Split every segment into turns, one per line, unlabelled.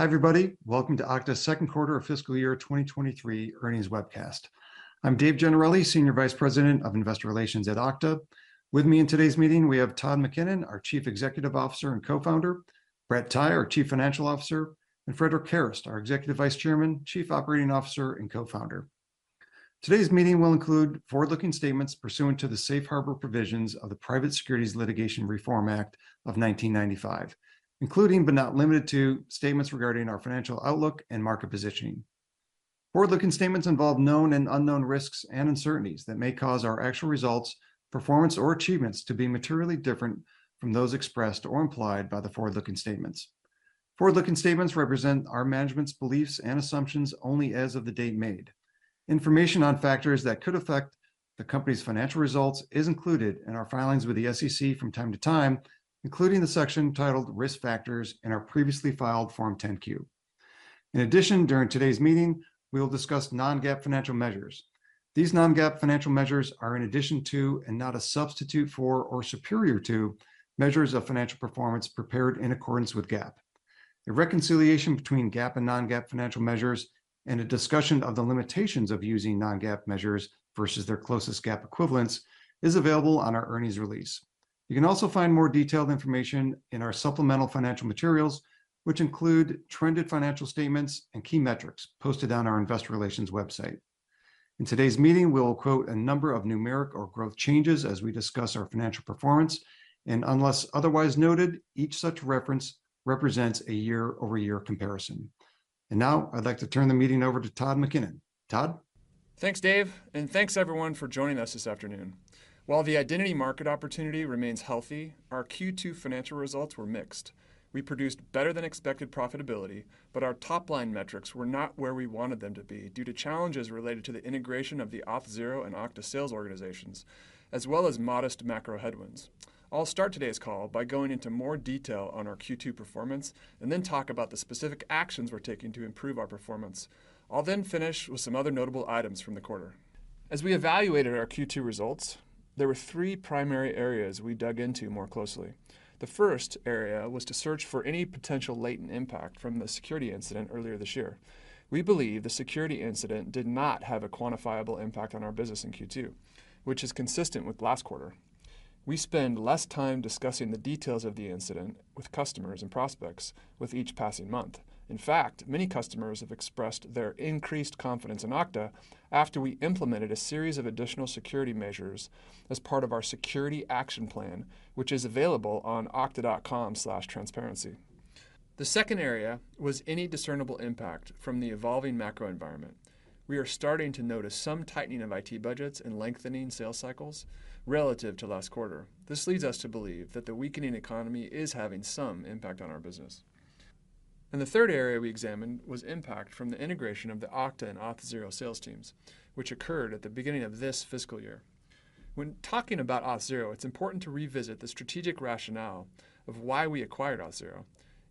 Hi, everybody. Welcome to Okta's second quarter of fiscal year 2023 earnings webcast. I'm Dave Gennarelli, Senior Vice President of Investor Relations at Okta. With me in today's meeting, we have Todd McKinnon, our Chief Executive Officer and Co-founder, Brett Tighe, our Chief Financial Officer, and Frederic Kerrest, our Executive Vice Chairman, Chief Operating Officer, and Co-founder. Today's meeting will include forward-looking statements pursuant to the safe harbor provisions of the Private Securities Litigation Reform Act of 1995, including but not limited to statements regarding our financial outlook and market positioning. Forward-looking statements involve known and unknown risks and uncertainties that may cause our actual results, performance, or achievements to be materially different from those expressed or implied by the forward-looking statements. Forward-looking statements represent our management's beliefs and assumptions only as of the date made. Information on factors that could affect the company's financial results is included in our filings with the SEC from time to time, including the section titled Risk Factors in our previously filed Form 10-Q. In addition, during today's meeting, we will discuss non-GAAP financial measures. These non-GAAP financial measures are in addition to and not a substitute for or superior to measures of financial performance prepared in accordance with GAAP. A reconciliation between GAAP and non-GAAP financial measures and a discussion of the limitations of using non-GAAP measures versus their closest GAAP equivalents is available on our earnings release. You can also find more detailed information in our supplemental financial materials, which include trended financial statements and key metrics posted on our investor relations website. In today's meeting, we'll quote a number of numeric or growth changes as we discuss our financial performance, and unless otherwise noted, each such reference represents a year-over-year comparison. Now I'd like to turn the meeting over to Todd McKinnon. Todd?
Thanks, Dave, and thanks everyone for joining us this afternoon. While the identity market opportunity remains healthy, our Q2 financial results were mixed. We produced better than expected profitability, but our top-line metrics were not where we wanted them to be due to challenges related to the integration of the Auth0 and Okta sales organizations, as well as modest macro headwinds. I'll start today's call by going into more detail on our Q2 performance and then talk about the specific actions we're taking to improve our performance. I'll then finish with some other notable items from the quarter. As we evaluated our Q2 results, there were three primary areas we dug into more closely. The first area was to search for any potential latent impact from the security incident earlier this year. We believe the security incident did not have a quantifiable impact on our business in Q2, which is consistent with last quarter. We spend less time discussing the details of the incident with customers and prospects with each passing month. In fact, many customers have expressed their increased confidence in Okta after we implemented a series of additional security measures as part of our security action plan, which is available on okta.com/trust. The second area was any discernible impact from the evolving macro environment. We are starting to notice some tightening of IT budgets and lengthening sales cycles relative to last quarter. This leads us to believe that the weakening economy is having some impact on our business. The third area we examined was impact from the integration of the Okta and Auth0 sales teams, which occurred at the beginning of this fiscal year. When talking about Auth0, it's important to revisit the strategic rationale of why we acquired Auth0.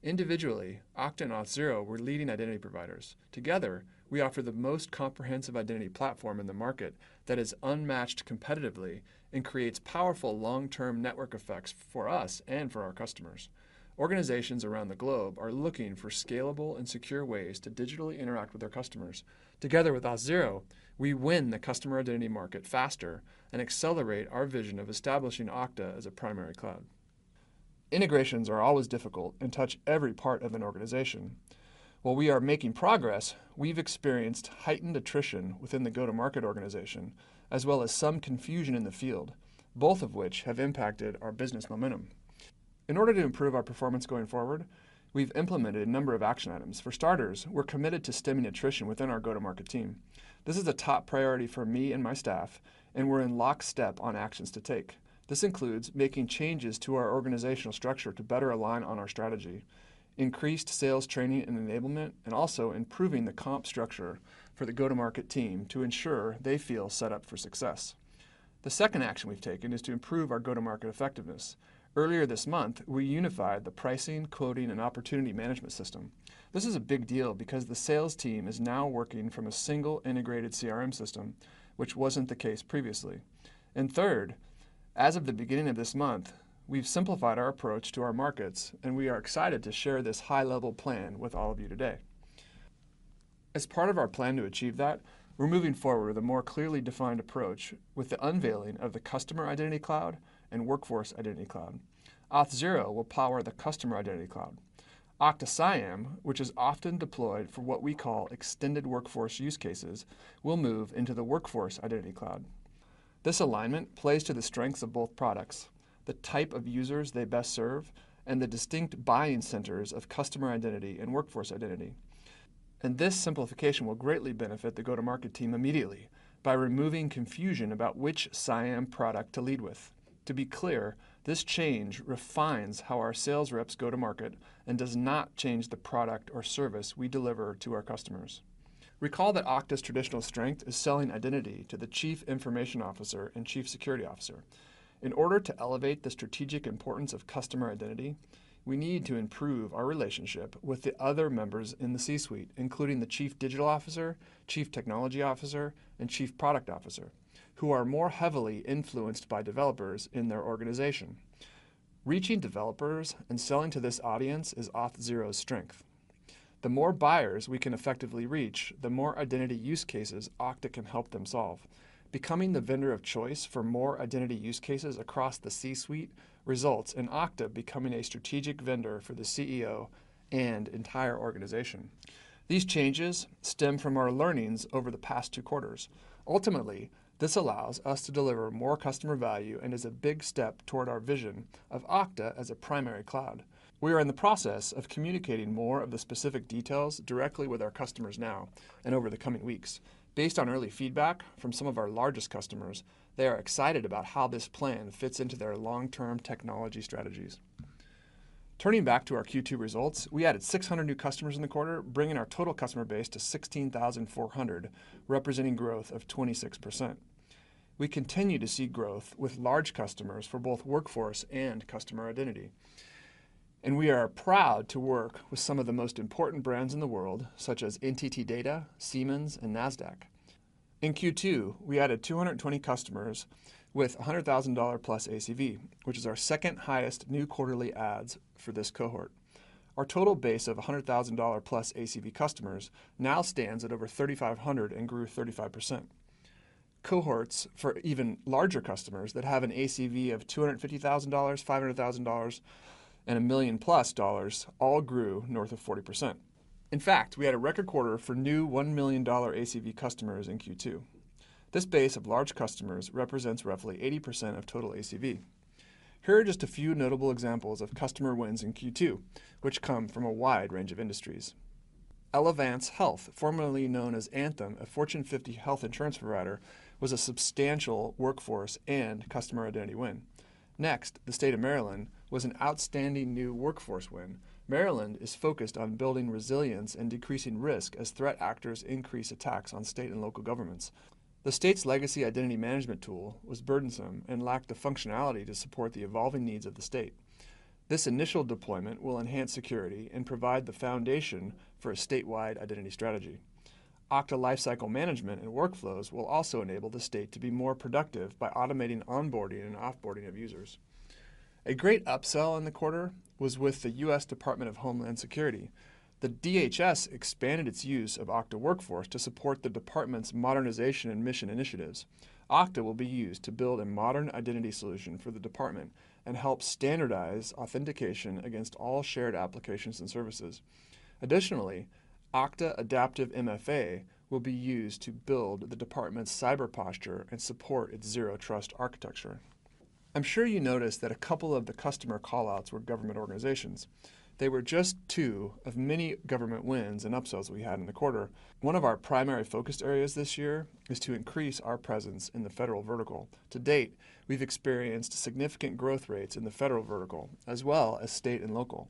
Individually, Okta and Auth0 were leading identity providers. Together, we offer the most comprehensive identity platform in the market that is unmatched competitively and creates powerful long-term network effects for us and for our customers. Organizations around the globe are looking for scalable and secure ways to digitally interact with their customers. Together with Auth0, we win the customer identity market faster and accelerate our vision of establishing Okta as a primary cloud. Integrations are always difficult and touch every part of an organization. While we are making progress, we've experienced heightened attrition within the go-to-market organization, as well as some confusion in the field, both of which have impacted our business momentum. In order to improve our performance going forward, we've implemented a number of action items. For starters, we're committed to stemming attrition within our go-to-market team. This is a top priority for me and my staff, and we're in lockstep on actions to take. This includes making changes to our organizational structure to better align on our strategy, increased sales training and enablement, and also improving the comp structure for the go-to-market team to ensure they feel set up for success. The second action we've taken is to improve our go-to-market effectiveness. Earlier this month, we unified the pricing, quoting, and opportunity management system. This is a big deal because the sales team is now working from a single integrated CRM system, which wasn't the case previously. Third, as of the beginning of this month, we've simplified our approach to our markets, and we are excited to share this high-level plan with all of you today. As part of our plan to achieve that, we're moving forward with a more clearly defined approach with the unveiling of the Customer Identity Cloud and Workforce Identity Cloud. Auth0 will power the Customer Identity Cloud. Okta CIAM, which is often deployed for what we call extended workforce use cases, will move into the Workforce Identity Cloud. This alignment plays to the strengths of both products, the type of users they best serve, and the distinct buying centers of customer identity and workforce identity. This simplification will greatly benefit the go-to-market team immediately by removing confusion about which CIAM product to lead with. To be clear, this change refines how our sales reps go to market and does not change the product or service we deliver to our customers. Recall that Okta's traditional strength is selling identity to the Chief Information Officer and Chief Security Officer. In order to elevate the strategic importance of customer identity, we need to improve our relationship with the other members in the C-suite, including the Chief Digital Officer, Chief Technology Officer, and Chief Product Officer, who are more heavily influenced by developers in their organization. Reaching developers and selling to this audience is Auth0's strength. The more buyers we can effectively reach, the more identity use cases Okta can help them solve. Becoming the vendor of choice for more identity use cases across the C-suite results in Okta becoming a strategic vendor for the CEO and entire organization. These changes stem from our learnings over the past two quarters. Ultimately, this allows us to deliver more customer value and is a big step toward our vision of Okta as a primary cloud. We are in the process of communicating more of the specific details directly with our customers now and over the coming weeks. Based on early feedback from some of our largest customers, they are excited about how this plan fits into their long-term technology strategies. Turning back to our Q2 results, we added 600 new customers in the quarter, bringing our total customer base to 16,400, representing growth of 26%. We continue to see growth with large customers for both Workforce and Customer Identity. We are proud to work with some of the most important brands in the world, such as NTT Data, Siemens, and Nasdaq. In Q2, we added 220 customers with a $100,000+ ACV, which is our second-highest new quarterly adds for this cohort. Our total base of $100,000+ ACV customers now stands at over 3,500 and grew 35%. Cohorts for even larger customers that have an ACV of $250,000, $500,000, and $1 million+ all grew north of 40%. In fact, we had a record quarter for new $1 million ACV customers in Q2. This base of large customers represents roughly 80% of total ACV. Here are just a few notable examples of customer wins in Q2, which come from a wide range of industries. Elevance Health, formerly known as Anthem, a Fortune 50 health insurance provider, was a substantial workforce and customer identity win. Next, the State of Maryland was an outstanding new workforce win. Maryland is focused on building resilience and decreasing risk as threat actors increase attacks on state and local governments. The state's legacy identity management tool was burdensome and lacked the functionality to support the evolving needs of the state. This initial deployment will enhance security and provide the foundation for a statewide identity strategy. Okta Lifecycle Management and Workflows will also enable the state to be more productive by automating onboarding and off-boarding of users. A great upsell in the quarter was with the U.S. Department of Homeland Security. The DHS expanded its use of Okta Workforce to support the department's modernization and mission initiatives. Okta will be used to build a modern identity solution for the department and help standardize authentication against all shared applications and services. Additionally, Okta Adaptive MFA will be used to build the department's cyber posture and support its Zero Trust architecture. I'm sure you noticed that a couple of the customer call-outs were government organizations. They were just two of many government wins and upsells we had in the quarter. One of our primary focus areas this year is to increase our presence in the federal vertical. To date, we've experienced significant growth rates in the federal vertical as well as state and local.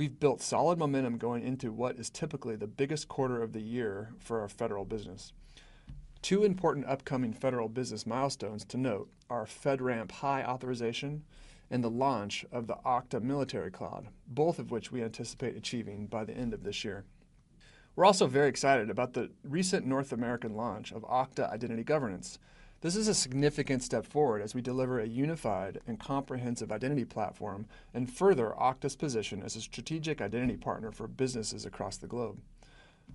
We've built solid momentum going into what is typically the biggest quarter of the year for our federal business. Two important upcoming federal business milestones to note are FedRAMP High authorization and the launch of the Okta Military Cloud, both of which we anticipate achieving by the end of this year. We're also very excited about the recent North American launch of Okta Identity Governance. This is a significant step forward as we deliver a unified and comprehensive identity platform and further Okta's position as a strategic identity partner for businesses across the globe.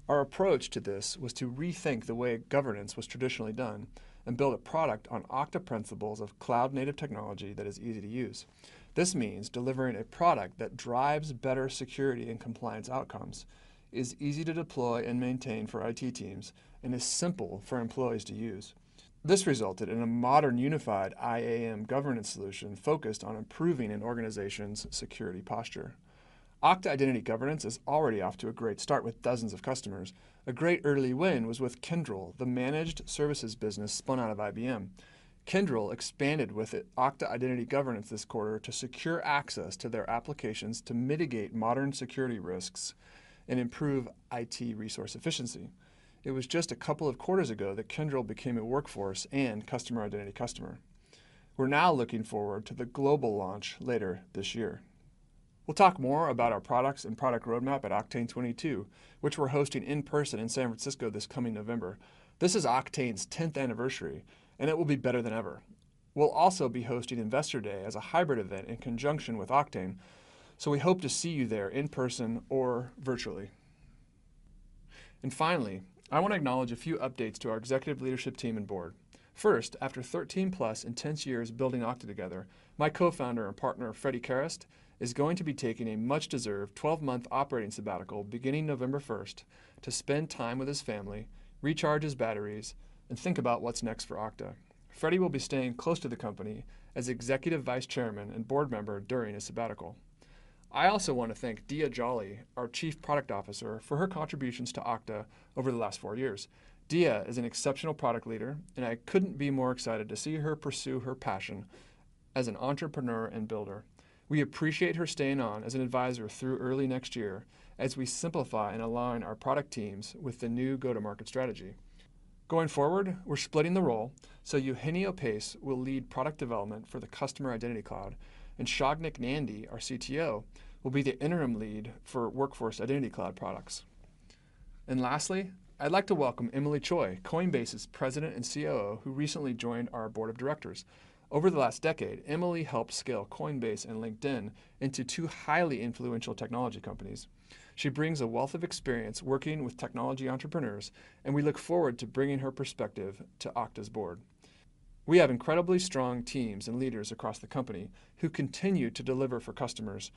Our approach to this was to rethink the way governance was traditionally done and build a product on Okta principles of cloud-native technology that is easy to use. This means delivering a product that drives better security and compliance outcomes, is easy to deploy and maintain for IT teams, and is simple for employees to use. This resulted in a modern, unified IAM governance solution focused on improving an organization's security posture. Okta Identity Governance is already off to a great start with dozens of customers. A great early win was with Kyndryl, the managed services business spun out of IBM. Kyndryl expanded with Okta Identity Governance this quarter to secure access to their applications to mitigate modern security risks and improve IT resource efficiency. It was just a couple of quarters ago that Kyndryl became a Workforce Identity and Customer Identity customer. We're now looking forward to the global launch later this year. We'll talk more about our products and product roadmap at Oktane 2022, which we're hosting in person in San Francisco this coming November. This is Oktane's 10th anniversary, and it will be better than ever. We'll also be hosting Investor Day as a hybrid event in conjunction with Oktane, so we hope to see you there in person or virtually. Finally, I want to acknowledge a few updates to our executive leadership team and board. First, after 13+ intense years building Okta together, my co-founder and partner, Frederic Kerrest, is going to be taking a much-deserved 12-month operating sabbatical beginning November 1st to spend time with his family, recharge his batteries, and think about what's next for Okta. Frederic Kerrest will be staying close to the company as Executive Vice Chairman and board member during his sabbatical. I also want to thank Diya Jolly, our Chief Product Officer, for her contributions to Okta over the last four years. Diya is an exceptional product leader, and I couldn't be more excited to see her pursue her passion as an entrepreneur and builder. We appreciate her staying on as an advisor through early next year as we simplify and align our product teams with the new go-to-market strategy. Going forward, we're splitting the role, so Eugenio Pace will lead product development for the Customer Identity Cloud, and Sagnik Nandy, our CTO, will be the interim lead for Workforce Identity Cloud products. Lastly, I'd like to welcome Emilie Choi, Coinbase's President and COO, who recently joined our board of directors. Over the last decade, Emilie helped scale Coinbase and LinkedIn into two highly influential technology companies. She brings a wealth of experience working with technology entrepreneurs, and we look forward to bringing her perspective to Okta's board. We have incredibly strong teams and leaders across the company who continue to deliver for customers,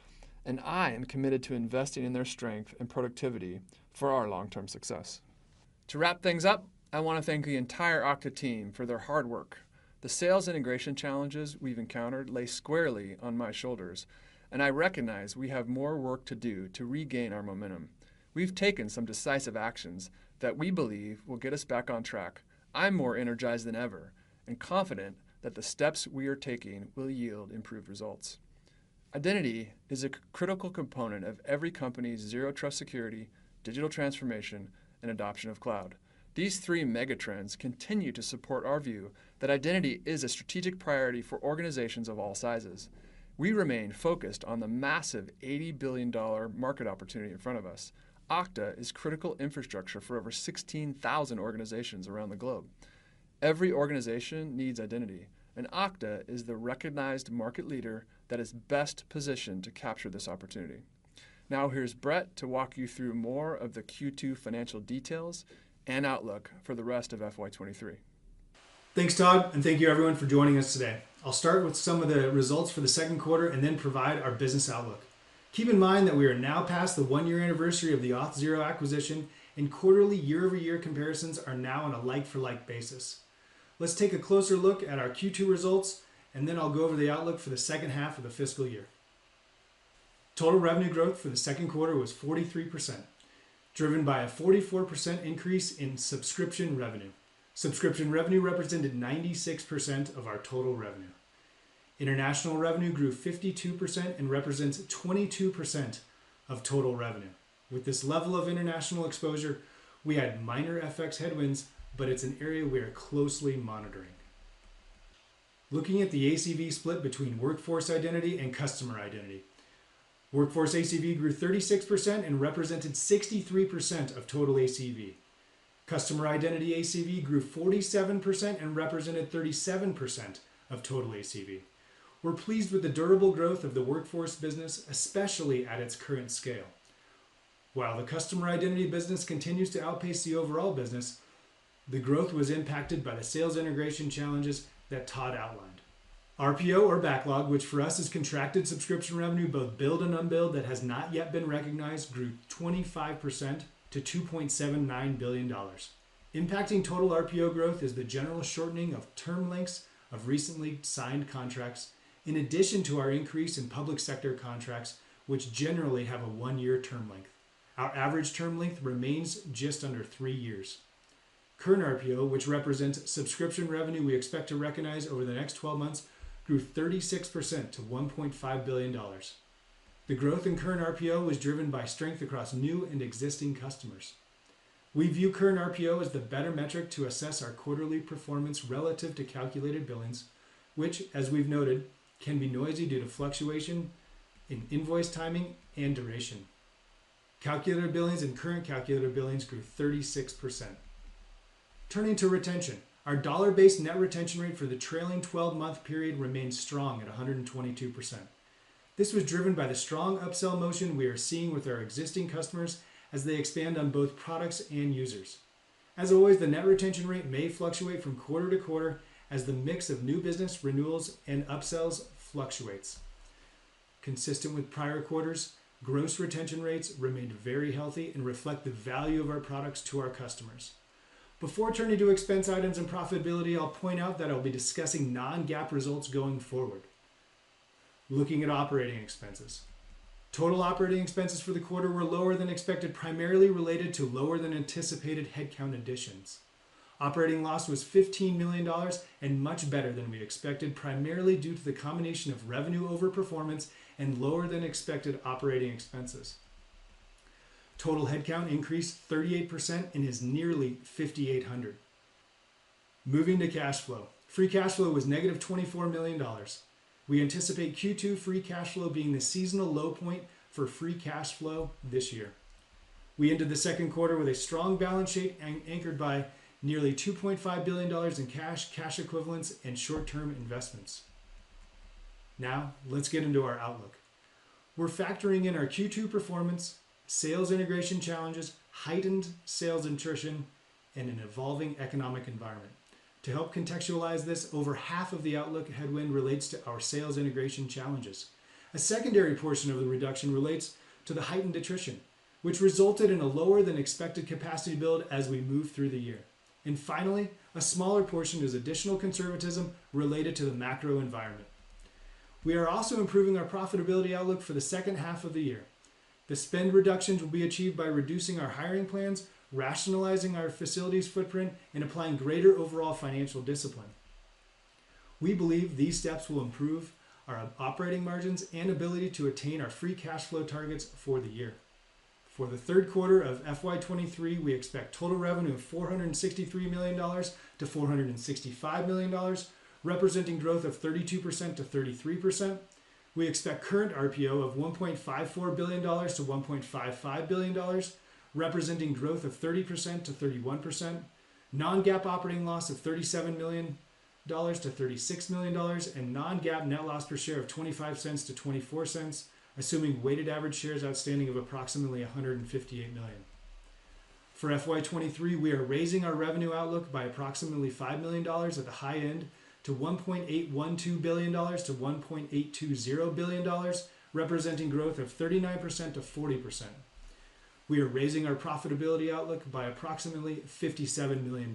and I am committed to investing in their strength and productivity for our long-term success. To wrap things up, I want to thank the entire Okta team for their hard work. The sales integration challenges we've encountered lay squarely on my shoulders, and I recognize we have more work to do to regain our momentum. We've taken some decisive actions that we believe will get us back on track. I'm more energized than ever and confident that the steps we are taking will yield improved results. Identity is a critical component of every company's Zero Trust security, digital transformation, and adoption of cloud. These three mega trends continue to support our view that identity is a strategic priority for organizations of all sizes. We remain focused on the massive $80 billion market opportunity in front of us. Okta is a critical infrastructure for over 16,000 organizations around the globe. Every organization needs identity, and Okta is the recognized market leader that is best positioned to capture this opportunity. Now here's Brett to walk you through more of the Q2 financial details and outlook for the rest of FY 2023.
Thanks, Todd, and thank you everyone for joining us today. I'll start with some of the results for the second quarter and then provide our business outlook. Keep in mind that we are now past the one-year anniversary of the Auth0 acquisition, and quarterly year-over-year comparisons are now on a like-for-like basis. Let's take a closer look at our Q2 results, and then I'll go over the outlook for the second half of the fiscal year. Total revenue growth for the second quarter was 43%, driven by a 44% increase in subscription revenue. Subscription revenue represented 96% of our total revenue. International revenue grew 52% and represents 22% of total revenue. With this level of international exposure, we had minor FX headwinds, but it's an area we are closely monitoring. Looking at the ACV split between workforce identity and customer identity. Workforce ACV grew 36% and represented 63% of total ACV. Customer identity ACV grew 47% and represented 37% of total ACV. We're pleased with the durable growth of the workforce business, especially at its current scale. While the customer identity business continues to outpace the overall business, the growth was impacted by the sales integration challenges that Todd outlined. RPO or backlog, which for us is contracted subscription revenue, both billed and unbilled, that has not yet been recognized, grew 25% to $2.79 billion. Impacting total RPO growth is the general shortening of term lengths of recently signed contracts, in addition to our increase in public sector contracts, which generally have a one-year term length. Our average term length remains just under three years. Current RPO, which represents subscription revenue we expect to recognize over the next 12 months, grew 36% to $1.5 billion. The growth in current RPO was driven by strength across new and existing customers. We view current RPO as the better metric to assess our quarterly performance relative to calculated billings, which, as we've noted, can be noisy due to fluctuation in invoice timing and duration. Calculated billings and current calculated billings grew 36%. Turning to retention, our dollar-based net retention rate for the trailing 12-month period remained strong at 122%. This was driven by the strong upsell motion we are seeing with our existing customers as they expand on both products and users. As always, the net retention rate may fluctuate from quarter to quarter as the mix of new business renewals and upsells fluctuates. Consistent with prior quarters, gross retention rates remained very healthy and reflect the value of our products to our customers. Before turning to expense items and profitability, I'll point out that I'll be discussing non-GAAP results going forward. Looking at operating expenses. Total operating expenses for the quarter were lower than expected, primarily related to lower than anticipated headcount additions. Operating loss was $15 million and much better than we expected, primarily due to the combination of revenue overperformance and lower than expected operating expenses. Total headcount increased 38% and is nearly 5,800. Moving to cash flow. Free cash flow was $-24 million. We anticipate Q2 free cash flow being the seasonal low point for free cash flow this year. We ended the second quarter with a strong balance sheet anchored by nearly $2.5 billion in cash equivalents, and short-term investments. Now, let's get into our outlook. We're factoring in our Q2 performance, sales integration challenges, heightened sales attrition, and an evolving economic environment. To help contextualize this, over half of the outlook headwind relates to our sales integration challenges. A secondary portion of the reduction relates to the heightened attrition, which resulted in a lower than expected capacity build as we move through the year. Finally, a smaller portion is additional conservatism related to the macro environment. We are also improving our profitability outlook for the second half of the year. The spend reductions will be achieved by reducing our hiring plans, rationalizing our facilities footprint, and applying greater overall financial discipline. We believe these steps will improve our operating margins and ability to attain our free cash flow targets for the year. For the third quarter of FY 2023, we expect total revenue of $463 million-$465 million, representing growth of 32%-33%. We expect current RPO of $1.54 billion-$1.55 billion, representing growth of 30%-31%. Non-GAAP operating loss of $37 million-$36 million, and non-GAAP net loss per share of $0.25-$0.24, assuming weighted average shares outstanding of approximately 158 million. For FY 2023, we are raising our revenue outlook by approximately $5 million at the high end to $1.812 billion-$1.820 billion, representing growth of 39%-40%. We are raising our profitability outlook by approximately $57 million.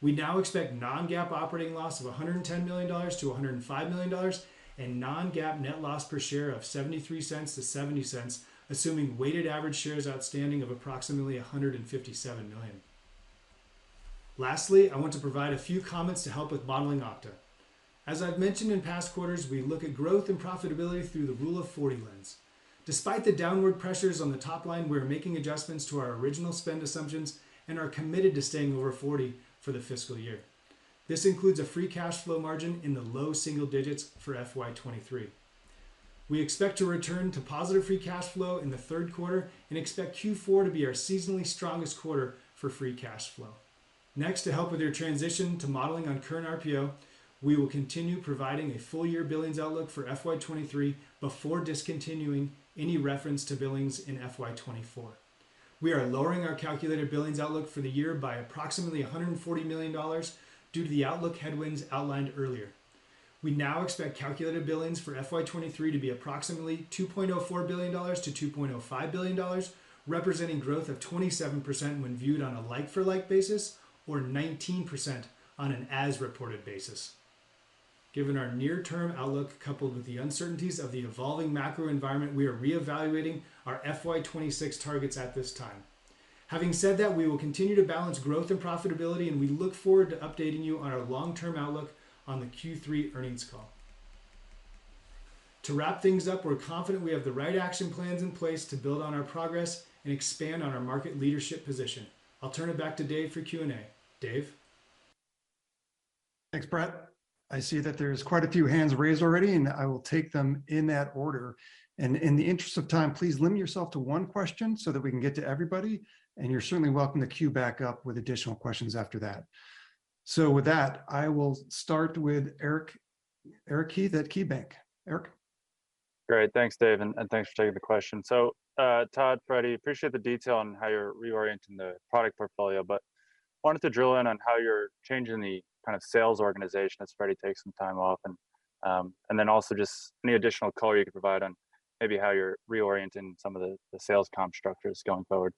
We now expect non-GAAP operating loss of $110 million-$105 million, and non-GAAP net loss per share of $0.73-$0.70, assuming weighted average shares outstanding of approximately 157 million. Lastly, I want to provide a few comments to help with modeling Okta. As I've mentioned in past quarters, we look at growth and profitability through the Rule of 40 lens. Despite the downward pressures on the top line, we are making adjustments to our original spend assumptions and are committed to staying over 40 for the fiscal year. This includes a free cash flow margin in the low single-digits for FY 2023. We expect to return to positive free cash flow in the third quarter and expect Q4 to be our seasonally strongest quarter for free cash flow. Next, to help with your transition to modeling on current RPO, we will continue providing a full-year billings outlook for FY 2023 before discontinuing any reference to billings in FY 2024. We are lowering our calculated billings outlook for the year by approximately $140 million due to the outlook headwinds outlined earlier. We now expect calculated billings for FY 2023 to be approximately $2.04 billion-$2.05 billion, representing growth of 27% when viewed on a like-for-like basis or 19% on an as-reported basis. Given our near-term outlook, coupled with the uncertainties of the evolving macro environment, we are reevaluating our FY 2026 targets at this time. Having said that, we will continue to balance growth and profitability, and we look forward to updating you on our long-term outlook on the Q3 earnings call. To wrap things up, we're confident we have the right action plans in place to build on our progress and expand on our market leadership position. I'll turn it back to Dave for Q&A. Dave?
Thanks, Brett. I see that there's quite a few hands raised already, and I will take them in that order. In the interest of time, please limit yourself to one question so that we can get to everybody, and you're certainly welcome to queue back up with additional questions after that. With that, I will start with Eric Heath at KeyBank. Eric?
Great. Thanks, Dave, and thanks for taking the question. Todd, Freddy, appreciate the detail on how you're reorienting the product portfolio, but wanted to drill in on how you're changing the kind of sales organization as Freddy takes some time off, and then also just any additional color you could provide on maybe how you're reorienting some of the sales comp structures going forward.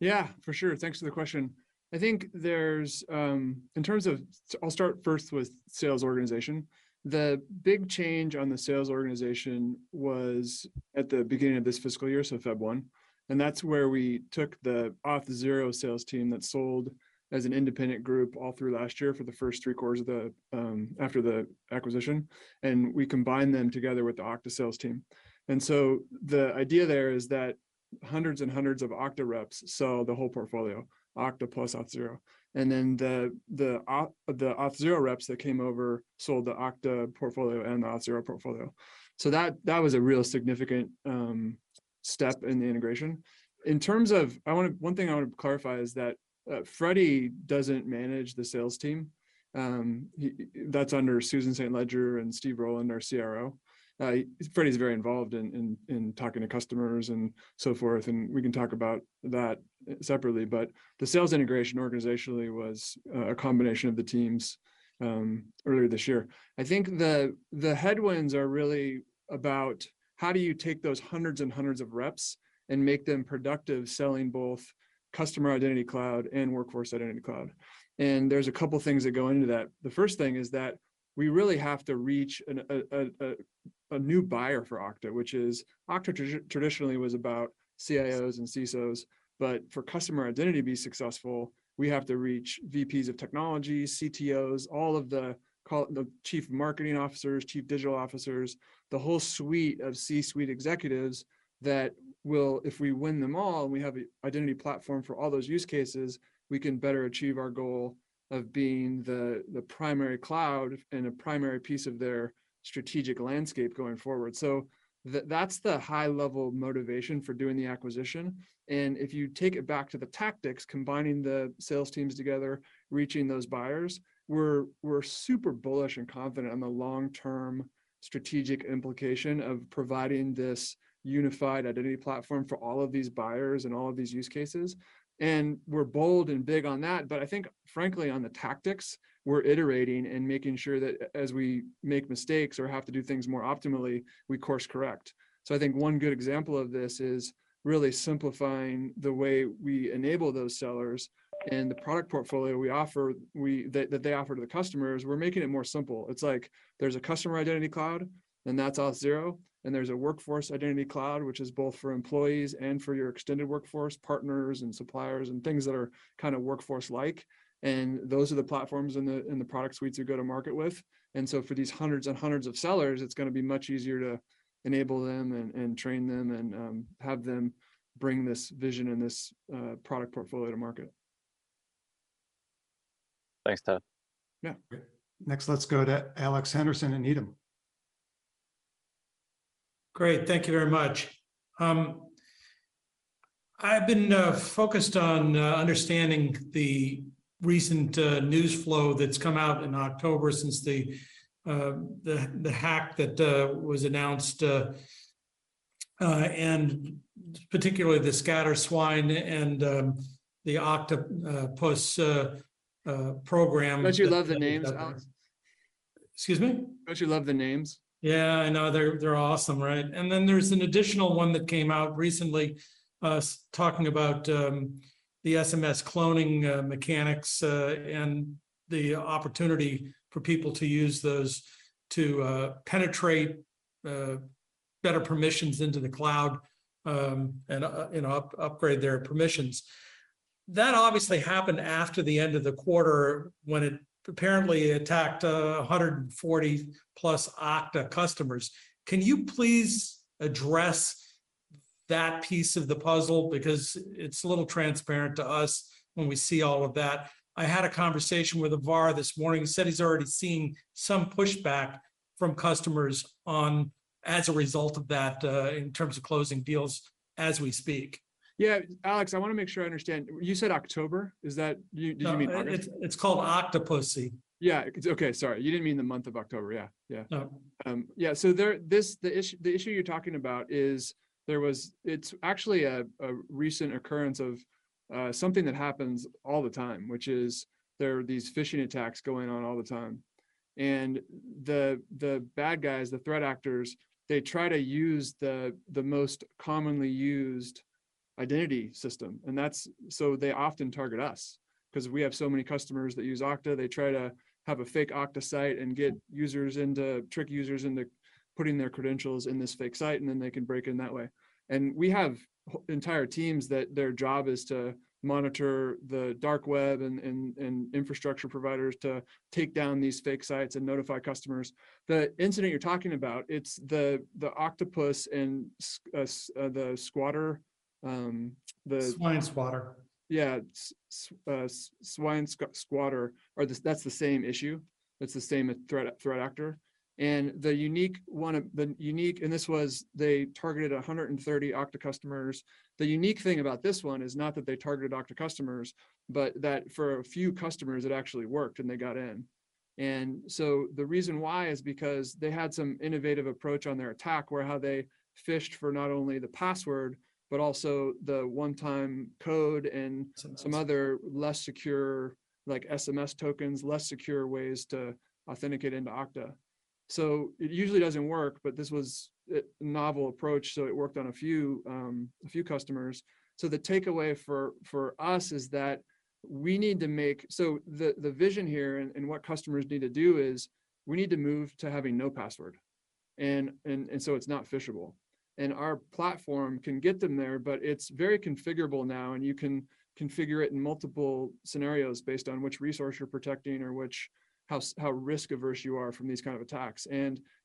Yeah, for sure. Thanks for the question. I think there's in terms of. I'll start first with sales organization. The big change on the sales organization was at the beginning of this fiscal year, so February 1, and that's where we took the Auth0 sales team that sold as an independent group all through last year for the first three quarters after the acquisition, and we combined them together with the Okta sales team. The idea there is that hundreds and hundreds of Okta reps sell the whole portfolio, Okta plus Auth0. Then the Auth0 reps that came over sold the Okta portfolio and the Auth0 portfolio. That was a real significant step in the integration. One thing I want to clarify is that Freddy doesn't manage the sales team. That's under Susan St. Ledger and Steve Rowland, our CRO. Freddy's very involved in talking to customers and so forth, and we can talk about that separately, but the sales integration organizationally was a combination of the teams earlier this year. I think the headwinds are really about how do you take those hundreds and hundreds of reps and make them productive selling both Customer Identity Cloud and Workforce Identity Cloud. There's a couple of things that go into that. The first thing is that we really have to reach a new buyer for Okta, which is Okta traditionally was about CIOs and CISOs, but for customer identity to be successful, we have to reach VPs of technology, CTOs, all of the chief marketing officers, chief digital officers, the whole suite of C-suite executives that will, if we win them all, and we have a identity platform for all those use cases, we can better achieve our goal of being the primary cloud and a primary piece of their strategic landscape going forward. That's the high level motivation for doing the acquisition. If you take it back to the tactics, combining the sales teams together, reaching those buyers, we're super bullish and confident on the long-term strategic implication of providing this unified identity platform for all of these buyers and all of these use cases. We're bold and big on that, but I think frankly on the tactics, we're iterating and making sure that as we make mistakes or have to do things more optimally, we course correct. I think one good example of this is really simplifying the way we enable those sellers and the product portfolio we offer, that they offer to the customers, we're making it more simple. It's like there's a Customer Identity Cloud, and that's Auth0, and there's a Workforce Identity Cloud, which is both for employees and for your extended workforce, partners and suppliers and things that are kind of workforce-like, and those are the platforms and the product suites we go to market with. For these hundreds and hundreds of sellers, it's gonna be much easier to enable them and train them and have them bring this vision and this product portfolio to market.
Thanks, Todd.
Yeah.
Next, let's go to Alex Henderson in Needham.
Great, thank you very much. I've been focused on understanding the recent news flow that's come out in October since the hack that was announced, and particularly the Scattered Swine and the Oktapus program-
Don't you love the names, Alex?
Excuse me?
Don't you love the names?
Yeah. I know, they're awesome, right? Then there's an additional one that came out recently, talking about the SMS cloning mechanics, and the opportunity for people to use those to penetrate better permissions into the cloud, and upgrade their permissions. That obviously happened after the end of the quarter, when it apparently attacked 140+ Okta customers. Can you please address that piece of the puzzle? Because it's a little transparent to us when we see all of that. I had a conversation with Avar this morning. He said he's already seeing some pushback from customers on, as a result of that, in terms of closing deals as we speak.
Yeah. Alex, I wanna make sure I understand. You said October. Is that? You mean August?
No, it's called Oktapus.
Yeah. Okay, sorry. You didn't mean the month of October. Yeah. Yeah.
No.
The issue you're talking about is a recent occurrence of something that happens all the time, which is there are these phishing attacks going on all the time. The bad guys, the threat actors, they try to use the most commonly used identity system, and that's us. They often target us 'cause we have so many customers that use Okta. They try to have a fake Okta site and trick users into putting their credentials in this fake site, and then they can break in that way. We have entire teams that their job is to monitor the dark web and infrastructure providers to take down these fake sites and notify customers. The incident you're talking about, it's the Oktapus and Scatter Swine.
Scatter Swine.
Yeah. Scatter Swine. That's the same issue. That's the same threat actor. The unique one they targeted 130 Okta customers. The unique thing about this one is not that they targeted Okta customers, but that for a few customers it actually worked and they got in. The reason why is because they had some innovative approach on their attack where how they phished for not only the password, but also the one-time code and
That's nuts....
some other less secure, like SMS tokens, less secure ways to authenticate into Okta. It usually doesn't work, but this was a novel approach, so it worked on a few customers. The takeaway for us is that the vision here and what customers need to do is we need to move to having no password and so it's not phishable. Our platform can get them there, but it's very configurable now and you can configure it in multiple scenarios based on which resource you're protecting or how risk averse you are from these kind of attacks.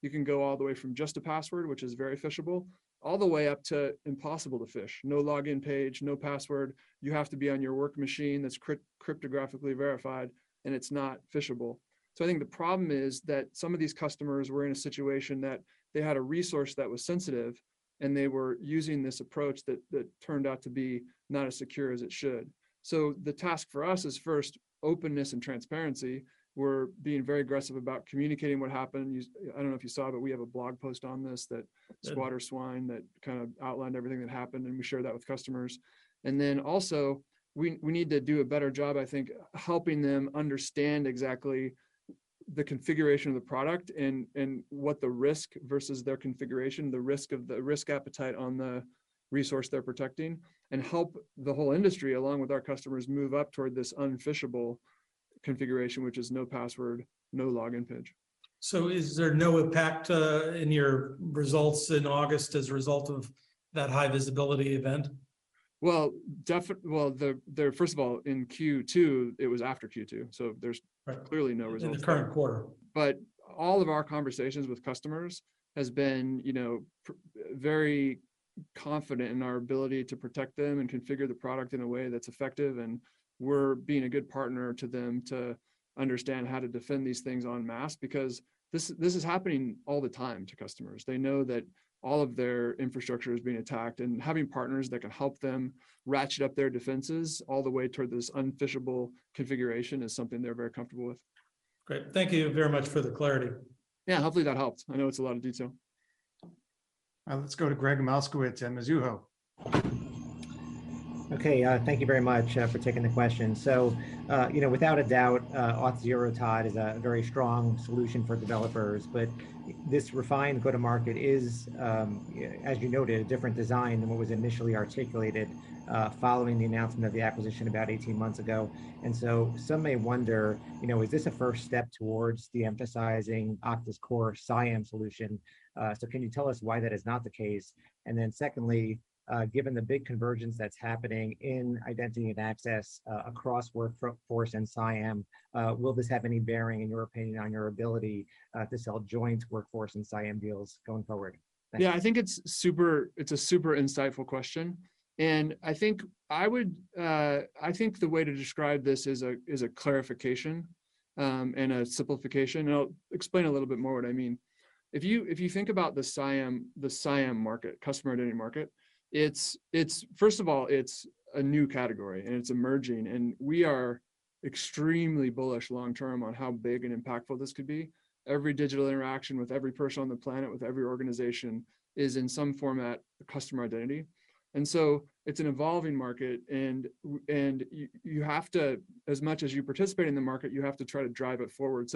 You can go all the way from just a password, which is very phishable, all the way up to impossible to phish. No login page, no password. You have to be on your work machine that's cryptographically verified and it's not phishable. I think the problem is that some of these customers were in a situation that they had a resource that was sensitive and they were using this approach that turned out to be not as secure as it should. The task for us is first openness and transparency. We're being very aggressive about communicating what happened. I don't know if you saw, but we have a blog post on this.
Yeah
Scatter Swine that kind of outlined everything that happened, and we shared that with customers. We also need to do a better job, I think, helping them understand exactly the configuration of the product and what the risk versus their configuration, the risk appetite on the resource they're protecting, and help the whole industry along with our customers, move up toward this unphishable configuration, which is no password, no login page.
Is there no impact in your results in August as a result of that high visibility event?
Well, first of all, in Q2, it was after Q2, so there's
Right
Clearly no results.
In the current quarter.
All of our conversations with customers has been, you know, very confident in our ability to protect them and configure the product in a way that's effective and we're being a good partner to them to understand how to defend these things en masse because this is happening all the time to customers. They know that all of their infrastructure is being attacked, and having partners that can help them ratchet up their defenses all the way toward this unphishable configuration is something they're very comfortable with.
Great. Thank you very much for the clarity.
Yeah. Hopefully, that helped. I know it's a lot of detail.
Let's go to Gregg Moskowitz at Mizuho.
Okay. Thank you very much for taking the question. You know, without a doubt, Auth0, Todd, is a very strong solution for developers. This refined go-to-market is, as you noted, a different design than what was initially articulated, following the announcement of the acquisition about 18 months ago. Some may wonder, you know, is this a first step towards de-emphasizing Okta's core CIAM solution? Can you tell us why that is not the case? Secondly, given the big convergence that's happening in identity and access across workforce and CIAM, will this have any bearing, in your opinion, on your ability to sell joint workforce and CIAM deals going forward? Thanks.
Yeah, I think it's a super insightful question, and I think the way to describe this is a clarification and a simplification, and I'll explain a little bit more what I mean. If you think about the CIAM, the CIAM market, customer identity market, it's first of all, it's a new category, and it's emerging, and we are extremely bullish long-term on how big and impactful this could be. Every digital interaction with every person on the planet, with every organization, is in some format a customer identity. It's an evolving market, and you have to, as much as you participate in the market, you have to try to drive it forward.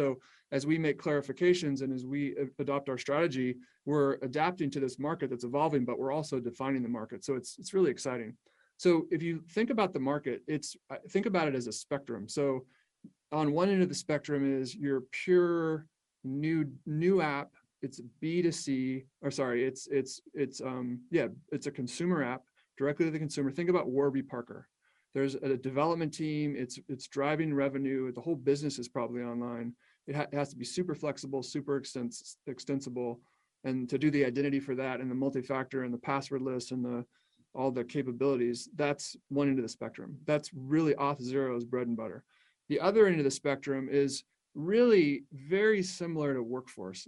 As we make clarifications and as we adopt our strategy, we're adapting to this market that's evolving, but we're also defining the market, so it's really exciting. If you think about the market, think about it as a spectrum. On one end of the spectrum is your pure new app. It's B2C, or sorry, it's a consumer app directly to the consumer. Think about Warby Parker. There's a development team. It's driving revenue. The whole business is probably online. It has to be super flexible, super extensible. To do the identity for that and the multi-factor and the password list and all the capabilities, that's one end of the spectrum. That's really Auth0's bread and butter. The other end of the spectrum is really very similar to Workforce.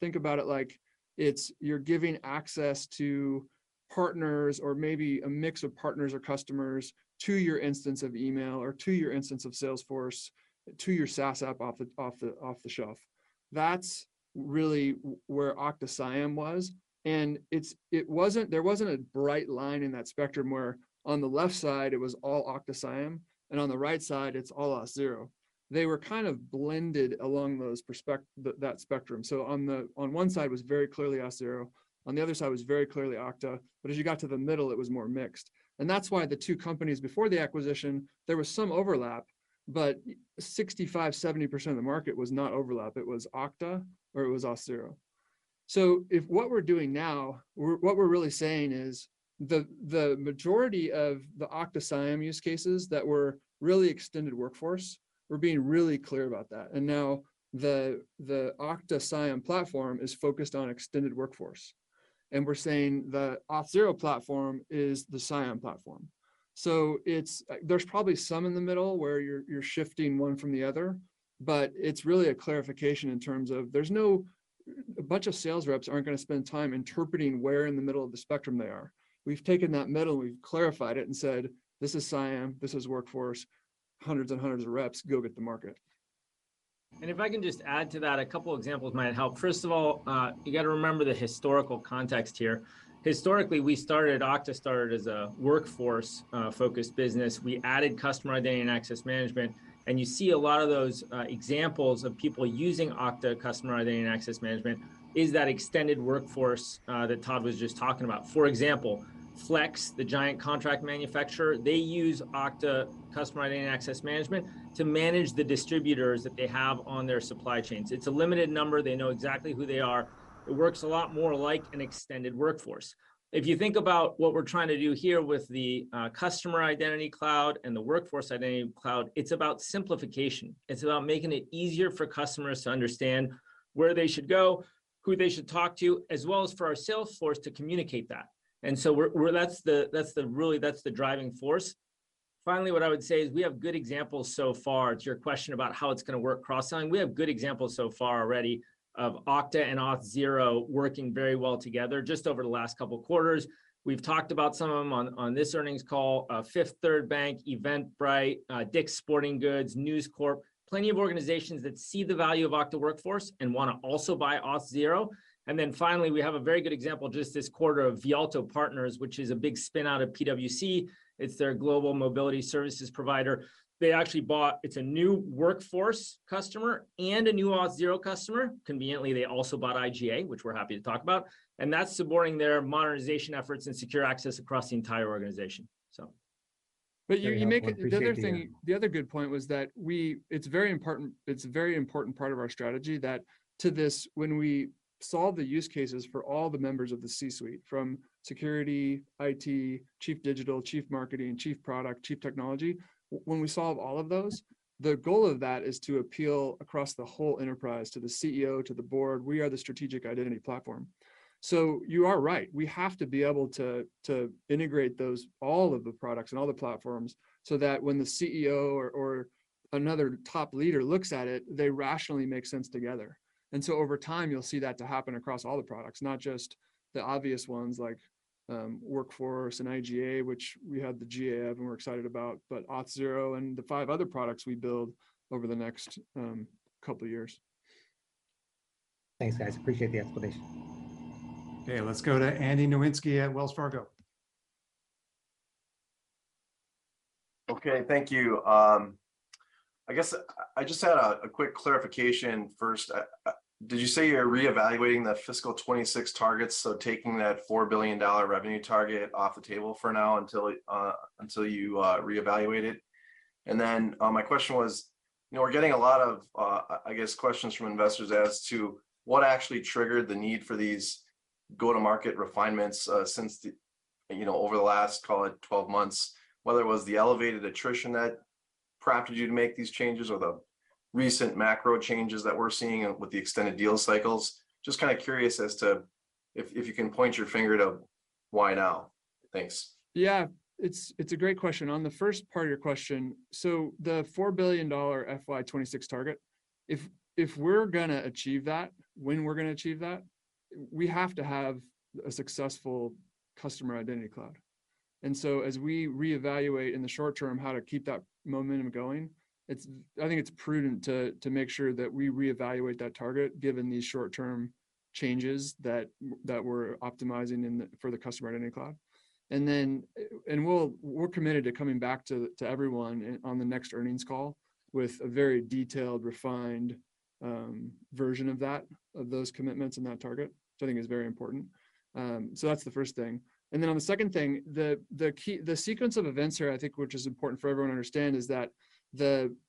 Think about it like it's you're giving access to partners or maybe a mix of partners or customers to your instance of email or to your instance of Salesforce, to your SaaS app off the shelf. That's really where Okta CIAM was, and it wasn't a bright line in that spectrum where on the left side it was all Okta CIAM and on the right side it's all Auth0. They were kind of blended along that spectrum. So on one side was very clearly Auth0, on the other side was very clearly Okta, but as you got to the middle, it was more mixed. That's why the two companies before the acquisition, there was some overlap, but 65%-70% of the market was not overlap. It was Okta or it was Auth0. If what we're doing now, what we're really saying is the majority of the Okta CIAM use cases that were really extended Workforce, we're being really clear about that. Now the Okta CIAM platform is focused on extended Workforce. We're saying the Auth0 platform is the CIAM platform. It's there's probably some in the middle where you're shifting one from the other, but it's really a clarification in terms of there's no. A bunch of sales reps aren't gonna spend time interpreting where in the middle of the spectrum they are. We've taken that middle, and we've clarified it and said, "This is CIAM. This is Workforce. Hundreds and hundreds of reps, go get the market.
If I can just add to that, a couple examples might help. First of all, you gotta remember the historical context here. Historically, Okta started as a Workforce-focused business. We added customer identity and access management, and you see a lot of those examples of people using Okta customer identity and access management is that extended Workforce that Todd was just talking about. For example, Flex, the giant contract manufacturer, they use Okta customer identity and access management to manage the distributors that they have on their supply chains. It's a limited number. They know exactly who they are. It works a lot more like an extended Workforce. If you think about what we're trying to do here with the customer identity cloud and the Workforce identity cloud, it's about simplification. It's about making it easier for customers to understand where they should go, who they should talk to, as well as for our sales force to communicate that. That's the driving force. Finally, what I would say is we have good examples so far. To your question about how it's gonna work cross-selling, we have good examples so far already of Okta and Auth0 working very well together just over the last couple quarters. We've talked about some of them on this earnings call. Fifth Third Bank, Eventbrite, Dick's Sporting Goods, News Corp. Plenty of organizations that see the value of Okta Workforce and wanna also buy Auth0. Finally, we have a very good example just this quarter of Vialto Partners, which is a big spin out of PwC. It's their global mobility services provider. It's a new Workforce customer and a new Auth0 customer. Conveniently, they also bought IGA, which we're happy to talk about, and that's supporting their monetization efforts and secure access across the entire organization, so.
You make a-
Gregg, I appreciate the handoff.
The other thing, the other good point was that it's very important, it's a very important part of our strategy that, too. This, when we solve the use cases for all the members of the C-suite, from security, IT, Chief Digital, Chief Marketing, Chief Product, Chief Technology, when we solve all of those, the goal of that is to appeal across the whole enterprise to the CEO, to the board. We are the strategic identity platform. You are right. We have to be able to integrate those, all of the products and all the platforms, so that when the CEO or another top leader looks at it, they rationally make sense together. Over time, you'll see that to happen across all the products, not just the obvious ones like Workforce and IGA, which we had the GA of and we're excited about, but Auth0 and the five other products we built over the next couple of years.
Thanks, guys. Appreciate the explanation.
Okay. Let's go to Andrew Nowinski at Wells Fargo.
Okay. Thank you. I guess I just had a quick clarification first. Did you say you're reevaluating the fiscal 2026 targets, so taking that $4 billion revenue target off the table for now until you reevaluate it? My question was, you know, we're getting a lot of, I guess, questions from investors as to what actually triggered the need for these go-to-market refinements, since, you know, over the last, call it, 12 months, whether it was the elevated attrition that prompted you to make these changes or the recent macro changes that we're seeing with the extended deal cycles. Just kinda curious as to if you can point your finger to why now. Thanks.
Yeah. It's a great question. On the first part of your question, the $4 billion FY 2026 target, if we're gonna achieve that, when we're gonna achieve that, we have to have a successful Customer Identity Cloud. As we reevaluate in the short term how to keep that momentum going, I think it's prudent to make sure that we reevaluate that target given these short-term changes that we're optimizing in the for the Customer Identity Cloud. We're committed to coming back to everyone on the next earnings call with a very detailed, refined version of that, of those commitments and that target, which I think is very important. That's the first thing. Then on the second thing, the key sequence of events here, I think, which is important for everyone to understand, is that the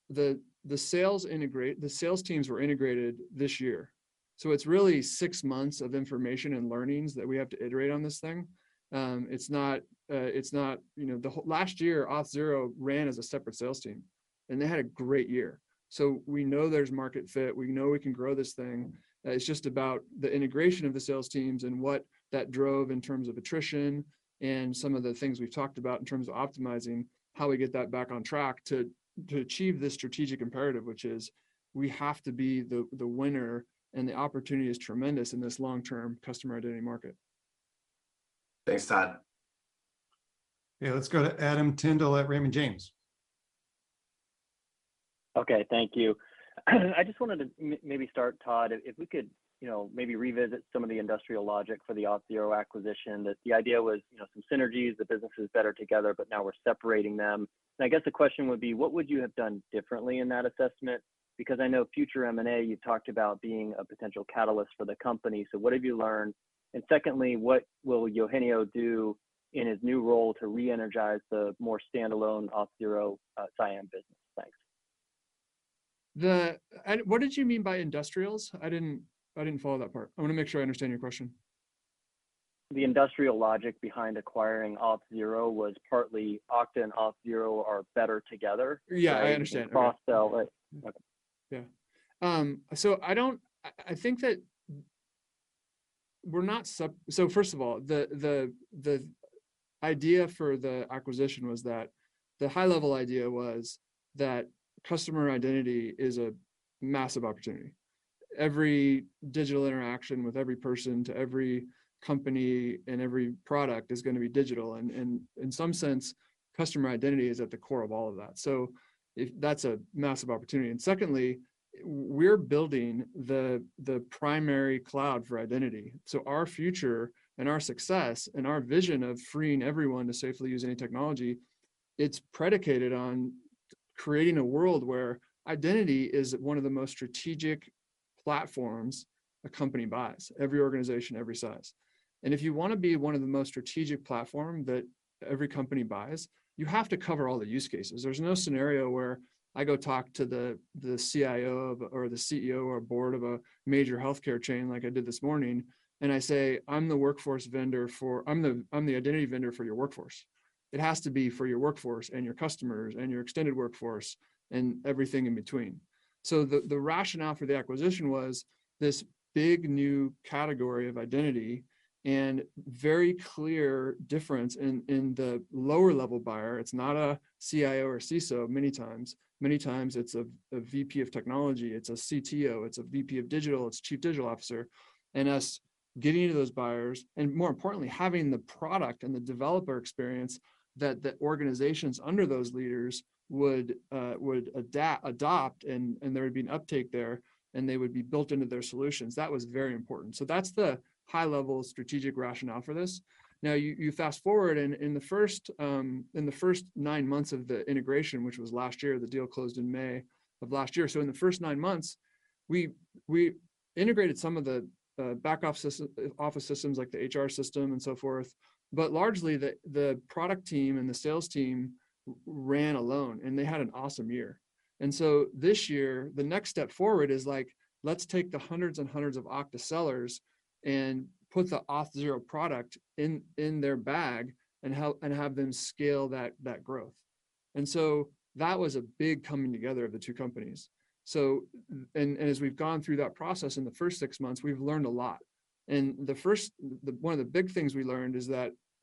sales integration, the sales teams were integrated this year, so it's really six months of information and learnings that we have to iterate on this thing. It's not, you know, the whole. Last year, Auth0 ran as a separate sales team, and they had a great year. We know there's market fit. We know we can grow this thing. It's just about the integration of the sales teams and what that drove in terms of attrition and some of the things we've talked about in terms of optimizing how we get that back on track to achieve this strategic imperative, which is we have to be the winner, and the opportunity is tremendous in this long-term customer identity market.
Thanks, Todd.
Yeah. Let's go to Adam Tindle at Raymond James.
Okay. Thank you. I just wanted to maybe start, Todd, if we could, you know, maybe revisit some of the industrial logic for the Auth0 acquisition, that the idea was, you know, some synergies, the business is better together, but now we're separating them. I guess the question would be. What would you have done differently in that assessment? Because I know future M&A, you talked about being a potential catalyst for the company. What have you learned? Secondly, what will Eugenio do in his new role to reenergize the more standalone Auth0 CIAM business? Thanks.
What did you mean by industrials? I didn't follow that part. I wanna make sure I understand your question.
The strategic logic behind acquiring Auth0 was partly Okta and Auth0 are better together.
Yeah, I understand.
Right? Cross-sell it.
First of all, the idea for the acquisition was that the high-level idea was that customer identity is a massive opportunity. Every digital interaction with every person to every company and every product is gonna be digital and in some sense, customer identity is at the core of all of that. That's a massive opportunity. Secondly, we're building the primary cloud for identity, so our future and our success and our vision of freeing everyone to safely use any technology is predicated on creating a world where identity is one of the most strategic platforms a company buys, every organization, every size. If you wanna be one of the most strategic platform that every company buys, you have to cover all the use cases. There's no scenario where I go talk to the CIO of, or the CEO or board of a major healthcare chain like I did this morning, and I say, "I'm the workforce vendor for... I'm the identity vendor for your workforce." It has to be for your workforce and your customers and your extended workforce and everything in between. The rationale for the acquisition was this big new category of identity and very clear difference in the lower level buyer. It's not a CIO or CISO many times. Many times it's a VP of technology, it's a CTO, it's a VP of digital, it's chief digital officer, and us getting to those buyers, and more importantly, having the product and the developer experience that organizations under those leaders would adapt, adopt and there would be an uptake there, and they would be built into their solutions. That was very important. That's the high-level strategic rationale for this. Now you fast-forward and in the first nine months of the integration, which was last year, the deal closed in May of last year. In the first nine months, we integrated some of the back office systems like the HR system and so forth, but largely the product team and the sales team ran alone, and they had an awesome year. This year, the next step forward is, like, let's take the hundreds and hundreds of Okta sellers and put the Auth0 product in their bag and help, and have them scale that growth. That was a big coming together of the two companies. As we've gone through that process in the first six months, we've learned a lot. One of the big things we learned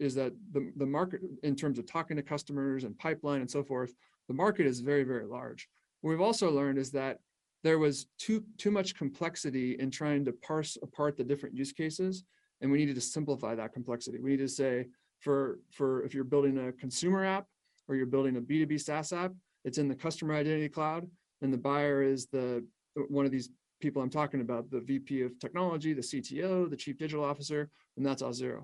is that the market in terms of talking to customers and pipeline and so forth, the market is very, very large. What we've also learned is that there was too much complexity in trying to parse apart the different use cases, and we needed to simplify that complexity. We need to say for... If you're building a consumer app or you're building a B2B SaaS app, it's in the Customer Identity Cloud, and the buyer is the one of these people I'm talking about, the VP of technology, the CTO, the chief digital officer, and that's Auth0.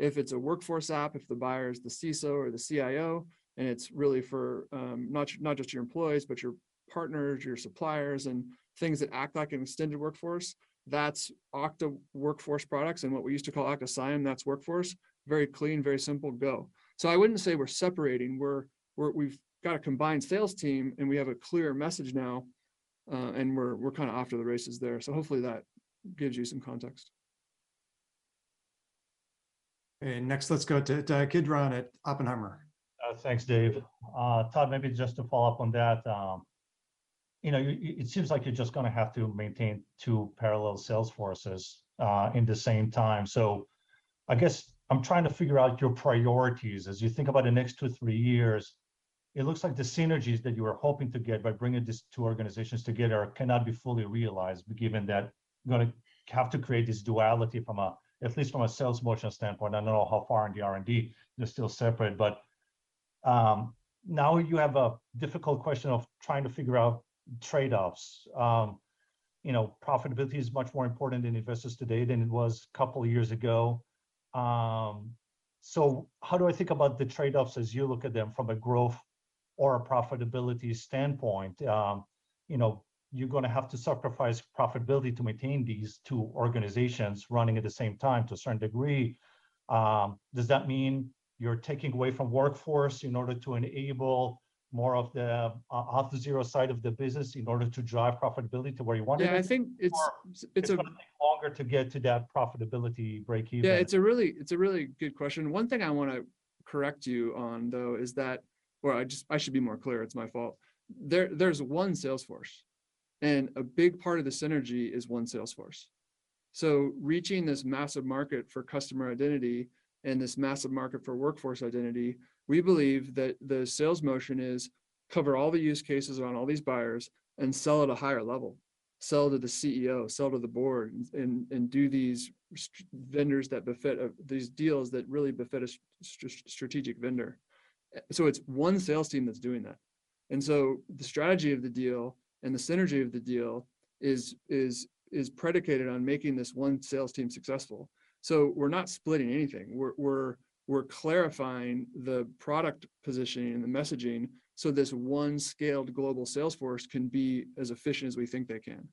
If it's a workforce app, if the buyer is the CISO or the CIO, and it's really for not just your employees, but your partners, your suppliers, and things that act like an extended workforce, that's Okta Workforce products and what we used to call Okta CIAM, that's Workforce. Very clean, very simple go. I wouldn't say we're separating. We've got a combined sales team, and we have a clear message now, and we're kinda off to the races there. Hopefully, that gives you some context.
Next, let's go to Kidron at Oppenheimer.
Thanks, Dave. Todd, maybe just to follow up on that, you know, it seems like you're just gonna have to maintain two parallel sales forces in the same time. I guess I'm trying to figure out your priorities. As you think about the next two, three years, it looks like the synergies that you were hoping to get by bringing these two organizations together cannot be fully realized given that you're gonna have to create this duality from a, at least from a sales motion standpoint. I don't know how far in the R&D they're still separate. Now you have a difficult question of trying to figure out trade-offs. You know, profitability is much more important to investors today than it was couple of years ago. How do I think about the trade-offs as you look at them from a growth or a profitability standpoint? You know, you're gonna have to sacrifice profitability to maintain these two organizations running at the same time to a certain degree. Does that mean you're taking away from Workforce in order to enable more of the, Auth0 side of the business in order to drive profitability to where you want it to be?
Yeah, I think it's.
It's gonna take longer to get to that profitability breakeven.
Yeah, it's a really good question. One thing I wanna correct you on, though, is that I should be more clear. It's my fault. There's one sales force, and a big part of the synergy is one sales force. Reaching this massive market for customer identity and this massive market for workforce identity, we believe that the sales motion is to cover all the use cases around all these buyers and sell at a higher level, sell to the CEO, sell to the board, and do these deals that really benefit a strategic vendor. It's one sales team that's doing that. The strategy of the deal and the synergy of the deal is predicated on making this one sales team successful. We're not splitting anything. We're clarifying the product positioning and the messaging so this one scaled global sales force can be as efficient as we think they can.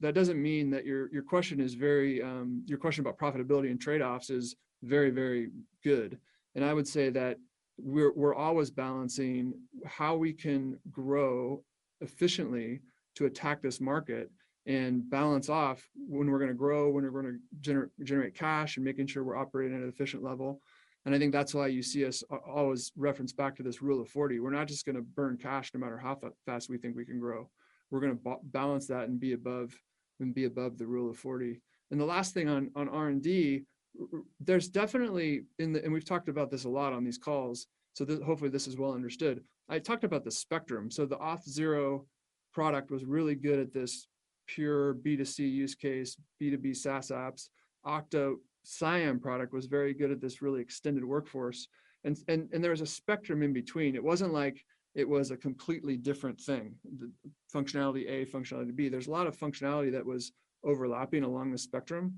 That doesn't mean that. Your question about profitability and trade-offs is very, very good, and I would say that we're always balancing how we can grow efficiently to attack this market and balance off when we're gonna grow, when we're gonna generate cash, and making sure we're operating at an efficient level. I think that's why you see us always reference back to this Rule of 40. We're not just gonna burn cash no matter how fast we think we can grow. We're gonna balance that and be above the Rule of 40. The last thing on R&D. We've talked about this a lot on these calls, so hopefully, this is well understood. I talked about the spectrum. The Auth0 product was really good at this pure B2C use case, B2B SaaS apps. Okta CIAM product was very good at this really extended workforce. There was a spectrum in between. It wasn't like it was a completely different thing, the functionality A, functionality B. There's a lot of functionality that was overlapping along the spectrum.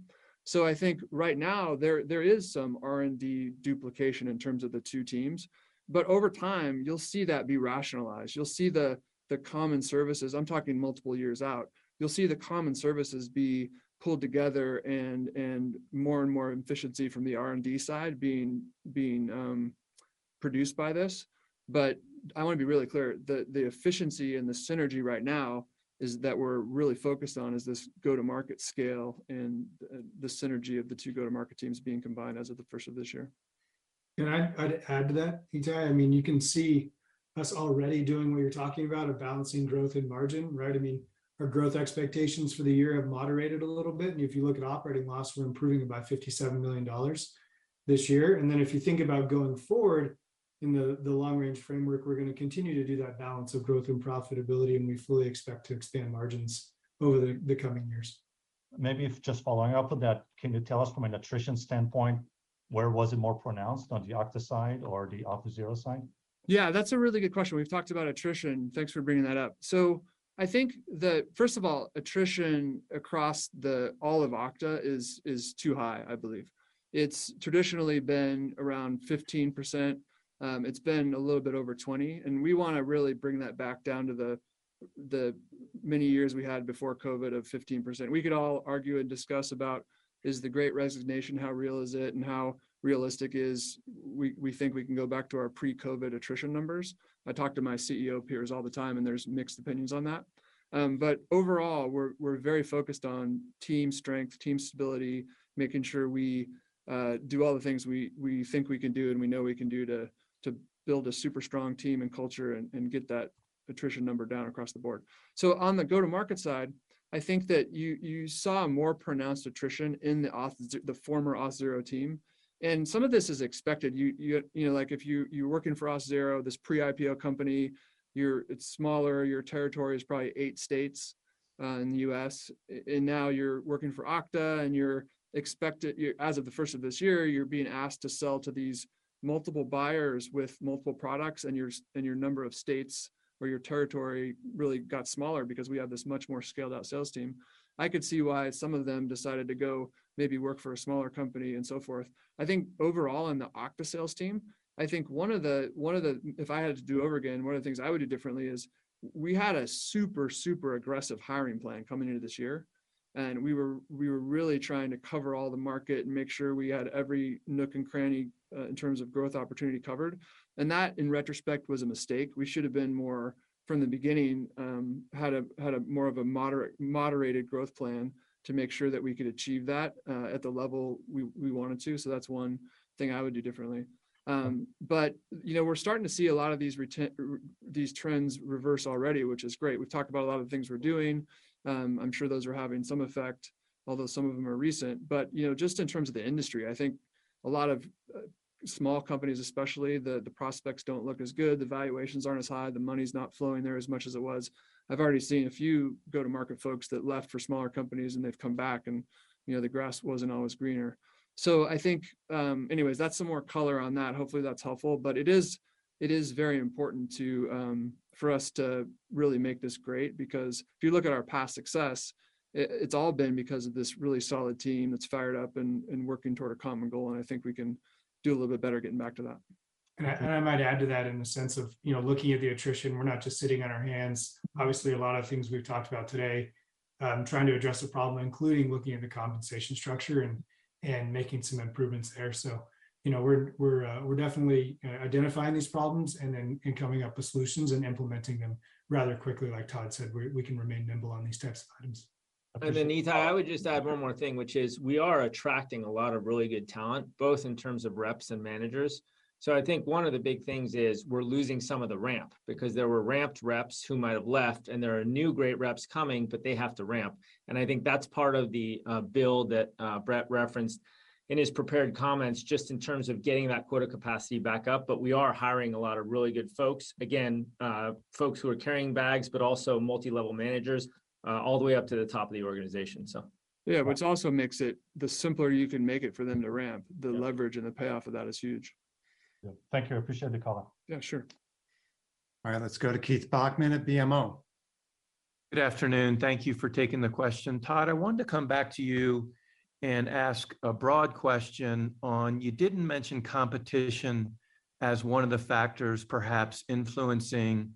I think right now there is some R&D duplication in terms of the two teams. Over time, you'll see that be rationalized. You'll see the common services, I'm talking multiple years out, you'll see the common services be pulled together and more and more efficiency from the R&D side being produced by this. I wanna be really clear. The efficiency and the synergy right now is that we're really focused on this go-to-market scale and the synergy of the two go-to-market teams being combined as of the first of this year.
Can I? I'd add to that, Ittai? I mean, you can see us already doing what you're talking about of balancing growth and margin, right? I mean, our growth expectations for the year have moderated a little bit. If you look at operating loss, we're improving it by $57 million this year. If you think about going forward in the long-range framework, we're gonna continue to do that balance of growth and profitability, and we fully expect to expand margins over the coming years.
Maybe I'm just following up on that, can you tell us from an attrition standpoint, where was it more pronounced, on the Okta side or the Auth0 side?
Yeah, that's a really good question. We've talked about attrition. Thanks for bringing that up. I think, first of all, attrition across all of Okta is too high, I believe. It's traditionally been around 15%. It's been a little bit over 20%, and we wanna really bring that back down to the many years we had before COVID of 15%. We could all argue and discuss about is the Great Resignation, how real is it, and how realistic is we think we can go back to our pre-COVID attrition numbers. I talk to my CEO peers all the time, and there's mixed opinions on that. Overall, we're very focused on team strength, team stability, making sure we do all the things we think we can do and we know we can do to build a super strong team and culture and get that attrition number down across the board. On the go-to-market side, I think that you saw more pronounced attrition in the Auth0, the former Auth0 team, and some of this is expected. You know, like if you're working for Auth0, this pre-IPO company, it's smaller, your territory is probably eight states in the U.S., and now you're working for Okta, and you're expected, as of the first of this year, you're being asked to sell to these multiple buyers with multiple products, and your number of states or your territory really got smaller because we have this much more scaled-out sales team. I could see why some of them decided to go maybe work for a smaller company, and so forth. I think overall in the Okta sales team, one of the. If I had to do over again, one of the things I would do differently is we had a super aggressive hiring plan coming into this year. We were really trying to cover all the market and make sure we had every nook and cranny in terms of growth opportunity covered. That, in retrospect, was a mistake. We should've been more from the beginning, had a more of a moderated growth plan to make sure that we could achieve that at the level we wanted to. That's one thing I would do differently. You know, we're starting to see a lot of these trends reverse already, which is great. We've talked about a lot of the things we're doing. I'm sure those are having some effect, although some of them are recent. You know, just in terms of the industry, I think a lot of small companies especially, the prospects don't look as good. The valuations aren't as high. The money's not flowing there as much as it was. I've already seen a few go-to-market folks that left for smaller companies, and they've come back, and you know, the grass wasn't always greener. So I think, anyways, that's some more color on that. Hopefully, that's helpful. It is very important to for us to really make this great because if you look at our past success, it's all been because of this really solid team that's fired up and working toward a common goal, and I think we can do a little bit better getting back to that.
I might add to that in the sense of, you know, looking at the attrition, we're not just sitting on our hands. Obviously, a lot of things we've talked about today, trying to address the problem, including looking at the compensation structure and making some improvements there. You know, we're definitely identifying these problems and then coming up with solutions and implementing them rather quickly. Like Todd said, we can remain nimble on these types of items.
Appreciate that.
Ittai, I would just add one more thing, which is we are attracting a lot of really good talent, both in terms of reps and managers. I think one of the big things is we're losing some of the ramp because there were ramped reps who might have left, and there are new great reps coming, but they have to ramp. I think that's part of the build that Brett referenced in his prepared comments, just in terms of getting that quota capacity back up. We are hiring a lot of really good folks. Again, folks who are carrying bags, but also multi-level managers, all the way up to the top of the organization.
Yeah, which also makes it the simpler you can make it for them to ramp, the leverage and the payoff of that is huge.
Yeah. Thank you. I appreciate the color.
Yeah, sure.
All right, let's go to Keith Bachman at BMO.
Good afternoon. Thank you for taking the question. Todd, I wanted to come back to you and ask a broad question on, you didn't mention competition as one of the factors perhaps influencing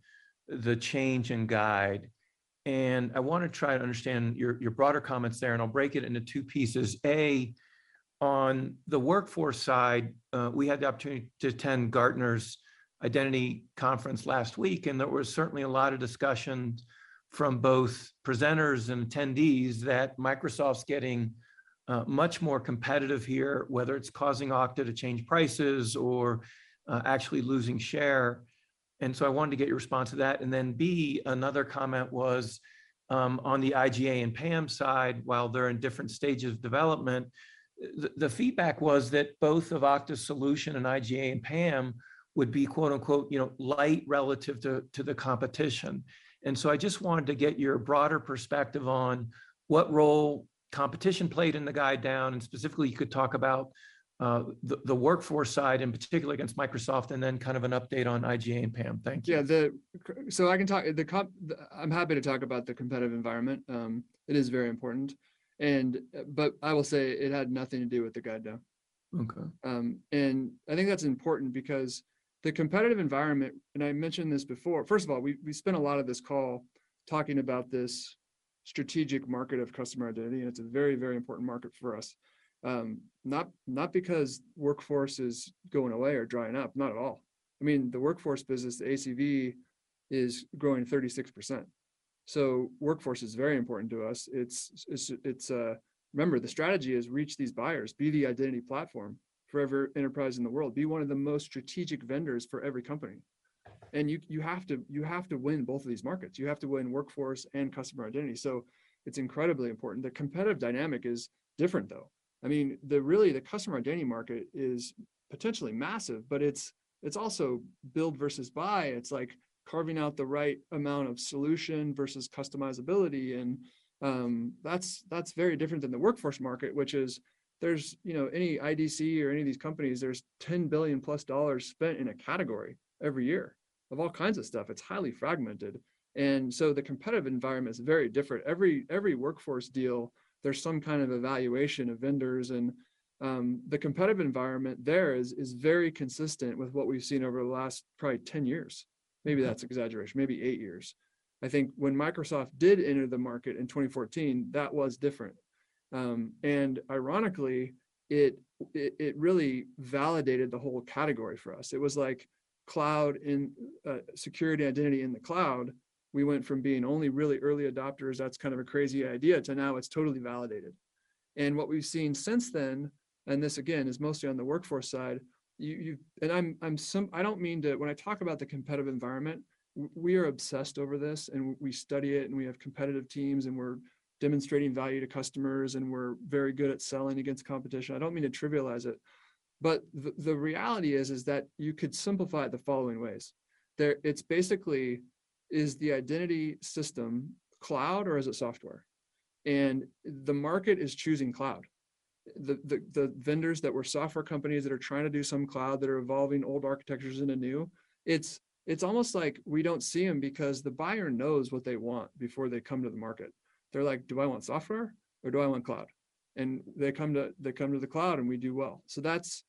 the change in guide. I wanna try to understand your broader comments there, and I'll break it into two pieces. A, on the workforce side, we had the opportunity to attend Gartner's Identity Conference last week, and there was certainly a lot of discussion from both presenters and attendees that Microsoft's getting much more competitive here, whether it's causing Okta to change prices or actually losing share. I wanted to get your response to that. B, another comment was on the IGA and PAM side, while they're in different stages of development, the feedback was that both of Okta's solution and IGA and PAM would be, quote-unquote, you know, light relative to the competition. I just wanted to get your broader perspective on what role competition played in the guide down, and specifically, you could talk about the workforce side, in particular against Microsoft, and then kind of an update on IGA and PAM. Thank you.
Yeah. I'm happy to talk about the competitive environment. It is very important. But I will say it had nothing to do with the guide down.
Okay.
I think that's important because the competitive environment, and I mentioned this before. First of all, we spent a lot of this call talking about this strategic market of customer identity, and it's a very, very important market for us. Not because workforce is going away or drying up. Not at all. I mean, the workforce business, the ACV, is growing 36%. Workforce is very important to us. Remember, the strategy is reach these buyers. Be the identity platform for every enterprise in the world. Be one of the most strategic vendors for every company. You have to win both of these markets. You have to win workforce and customer identity, so it's incredibly important. The competitive dynamic is different, though. I mean, really, the customer identity market is potentially massive, but it's also build versus buy. It's like carving out the right amount of solution versus customizability. That's very different than the workforce market, which is, there's, you know, any IDC or any of these companies, there's $10 billion+ spent in a category every year of all kinds of stuff. It's highly fragmented. The competitive environment is very different. Every workforce deal, there's some kind of evaluation of vendors. The competitive environment there is very consistent with what we've seen over the last probably 10 years. Maybe that's exaggeration. Maybe eight years. I think when Microsoft did enter the market in 2014, that was different. Ironically, it really validated the whole category for us. It was like cloud in security identity in the cloud. We went from being only really early adopters. That's kind of a crazy idea to now it's totally validated. What we've seen since then, and this again is mostly on the workforce side. I'm simply. I don't mean to. When I talk about the competitive environment, we are obsessed over this, and we study it, and we have competitive teams, and we're demonstrating value to customers, and we're very good at selling against competition. I don't mean to trivialize it, but the reality is that you could simplify it the following ways. There, it's basically is the identity system cloud or is it software? The market is choosing cloud. The vendors that were software companies that are trying to do some cloud, that are evolving old architectures into new, it's almost like we don't see them because the buyer knows what they want before they come to the market. They're like, "Do I want software or do I want cloud?" They come to the cloud and we do well. That's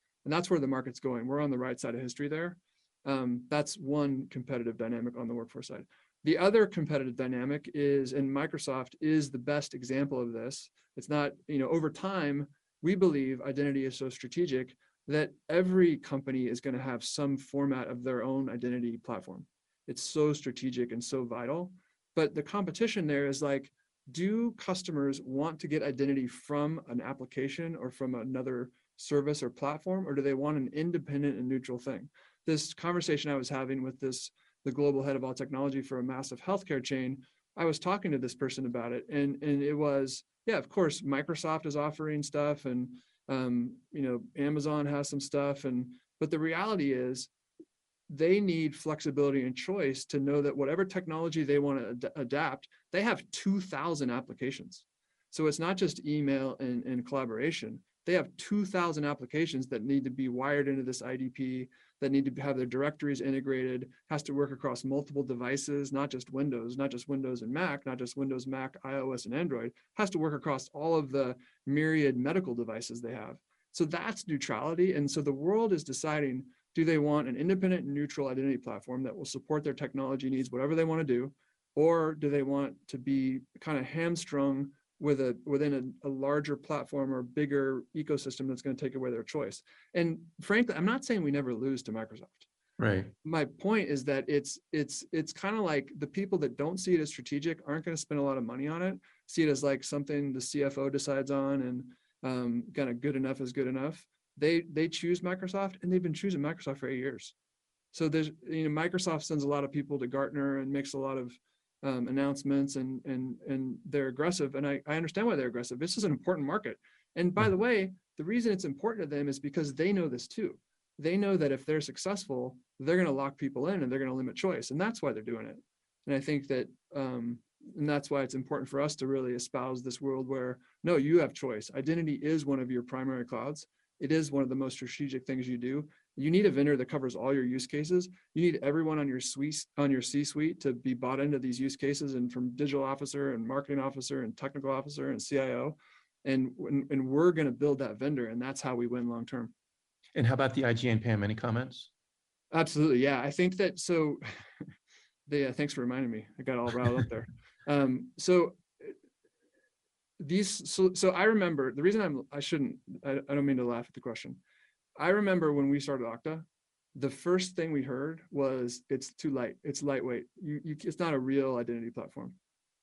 where the market's going. We're on the right side of history there. That's one competitive dynamic on the workforce side. The other competitive dynamic is, Microsoft is the best example of this, it's not. You know, over time, we believe identity is so strategic that every company is gonna have some form of their own identity platform. It's so strategic and so vital. The competition there is like, do customers want to get identity from an application or from another service or platform, or do they want an independent and neutral thing? This conversation I was having with this, the global head of all technology for a massive healthcare chain, I was talking to this person about it, and it was, yeah, of course, Microsoft is offering stuff and, you know, Amazon has some stuff. The reality is they need flexibility and choice to know that whatever technology they wanna adapt, they have 2,000 applications. So it's not just email and collaboration. They have 2,000 applications that need to be wired into this IDP, that need to have their directories integrated, has to work across multiple devices, not just Windows, not just Windows and Mac, not just Windows, Mac, iOS, and Android. Has to work across all of the myriad medical devices they have. That's neutrality, and so the world is deciding, do they want an independent and neutral identity platform that will support their technology needs, whatever they wanna do, or do they want to be kinda hamstrung within a larger platform or bigger ecosystem that's gonna take away their choice? Frankly, I'm not saying we never lose to Microsoft.
Right.
My point is that it's kinda like the people that don't see it as strategic aren't gonna spend a lot of money on it, see it as like something the CFO decides on, and kinda good enough is good enough. They choose Microsoft, and they've been choosing Microsoft for eight years. There's. You know, Microsoft sends a lot of people to Gartner and makes a lot of announcements and they're aggressive, and I understand why they're aggressive. This is an important market. By the way, the reason it's important to them is because they know this too. They know that if they're successful, they're gonna lock people in and they're gonna limit choice, and that's why they're doing it. I think that, and that's why it's important for us to really espouse this world where, no, you have choice. Identity is one of your primary clouds. It is one of the most strategic things you do. You need a vendor that covers all your use cases. You need everyone on your suite, on your C-suite to be bought into these use cases, and from digital officer and marketing officer and technical officer and CIO, and we're gonna build that vendor, and that's how we win long term.
How about the IGA and PAM, any comments?
Absolutely, yeah. Thanks for reminding me. I got all riled up there. I don't mean to laugh at the question. I remember when we started Okta, the first thing we heard was, "It's too light. It's lightweight. It's not a real identity platform.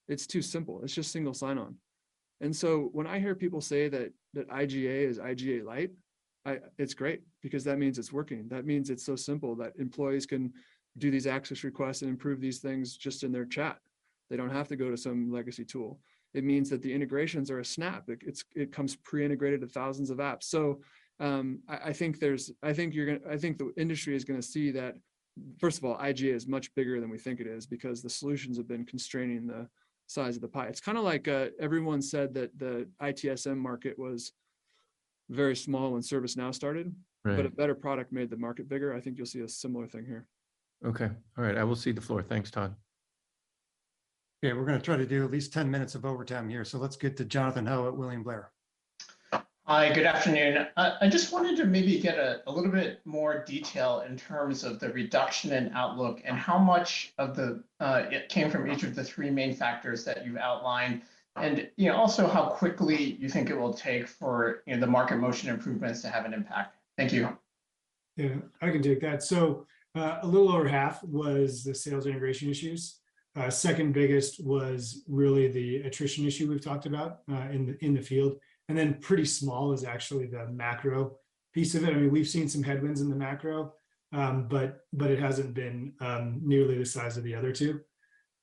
It's too simple. It's just single sign-on." When I hear people say that IGA is IGA light, it's great because that means it's working. That means it's so simple that employees can do these access requests and improve these things just in their chat. They don't have to go to some legacy tool. It means that the integrations are a snap. It comes pre-integrated to thousands of apps. I think the industry is gonna see that, first of all, IGA is much bigger than we think it is because the solutions have been constraining the size of the pie. It's kinda like, everyone said that the ITSM market was very small when ServiceNow started.
Right.
A better product made the market bigger. I think you'll see a similar thing here.
Okay. All right. I will cede the floor. Thanks, Todd.
Okay, we're gonna try to do at least 10 minutes of overtime here, so let's get to Jonathan Ho at William Blair.
Hi, good afternoon. I just wanted to maybe get a little bit more detail in terms of the reduction in outlook and how much of it came from each of the three main factors that you've outlined, and, you know, also how quickly you think it will take for, you know, the market motion improvements to have an impact. Thank you.
Yeah, I can take that. A little over half was the sales integration issues. Second biggest was really the attrition issue we've talked about in the field. Pretty small is actually the macro piece of it. I mean, we've seen some headwinds in the macro, but it hasn't been nearly the size of the other two.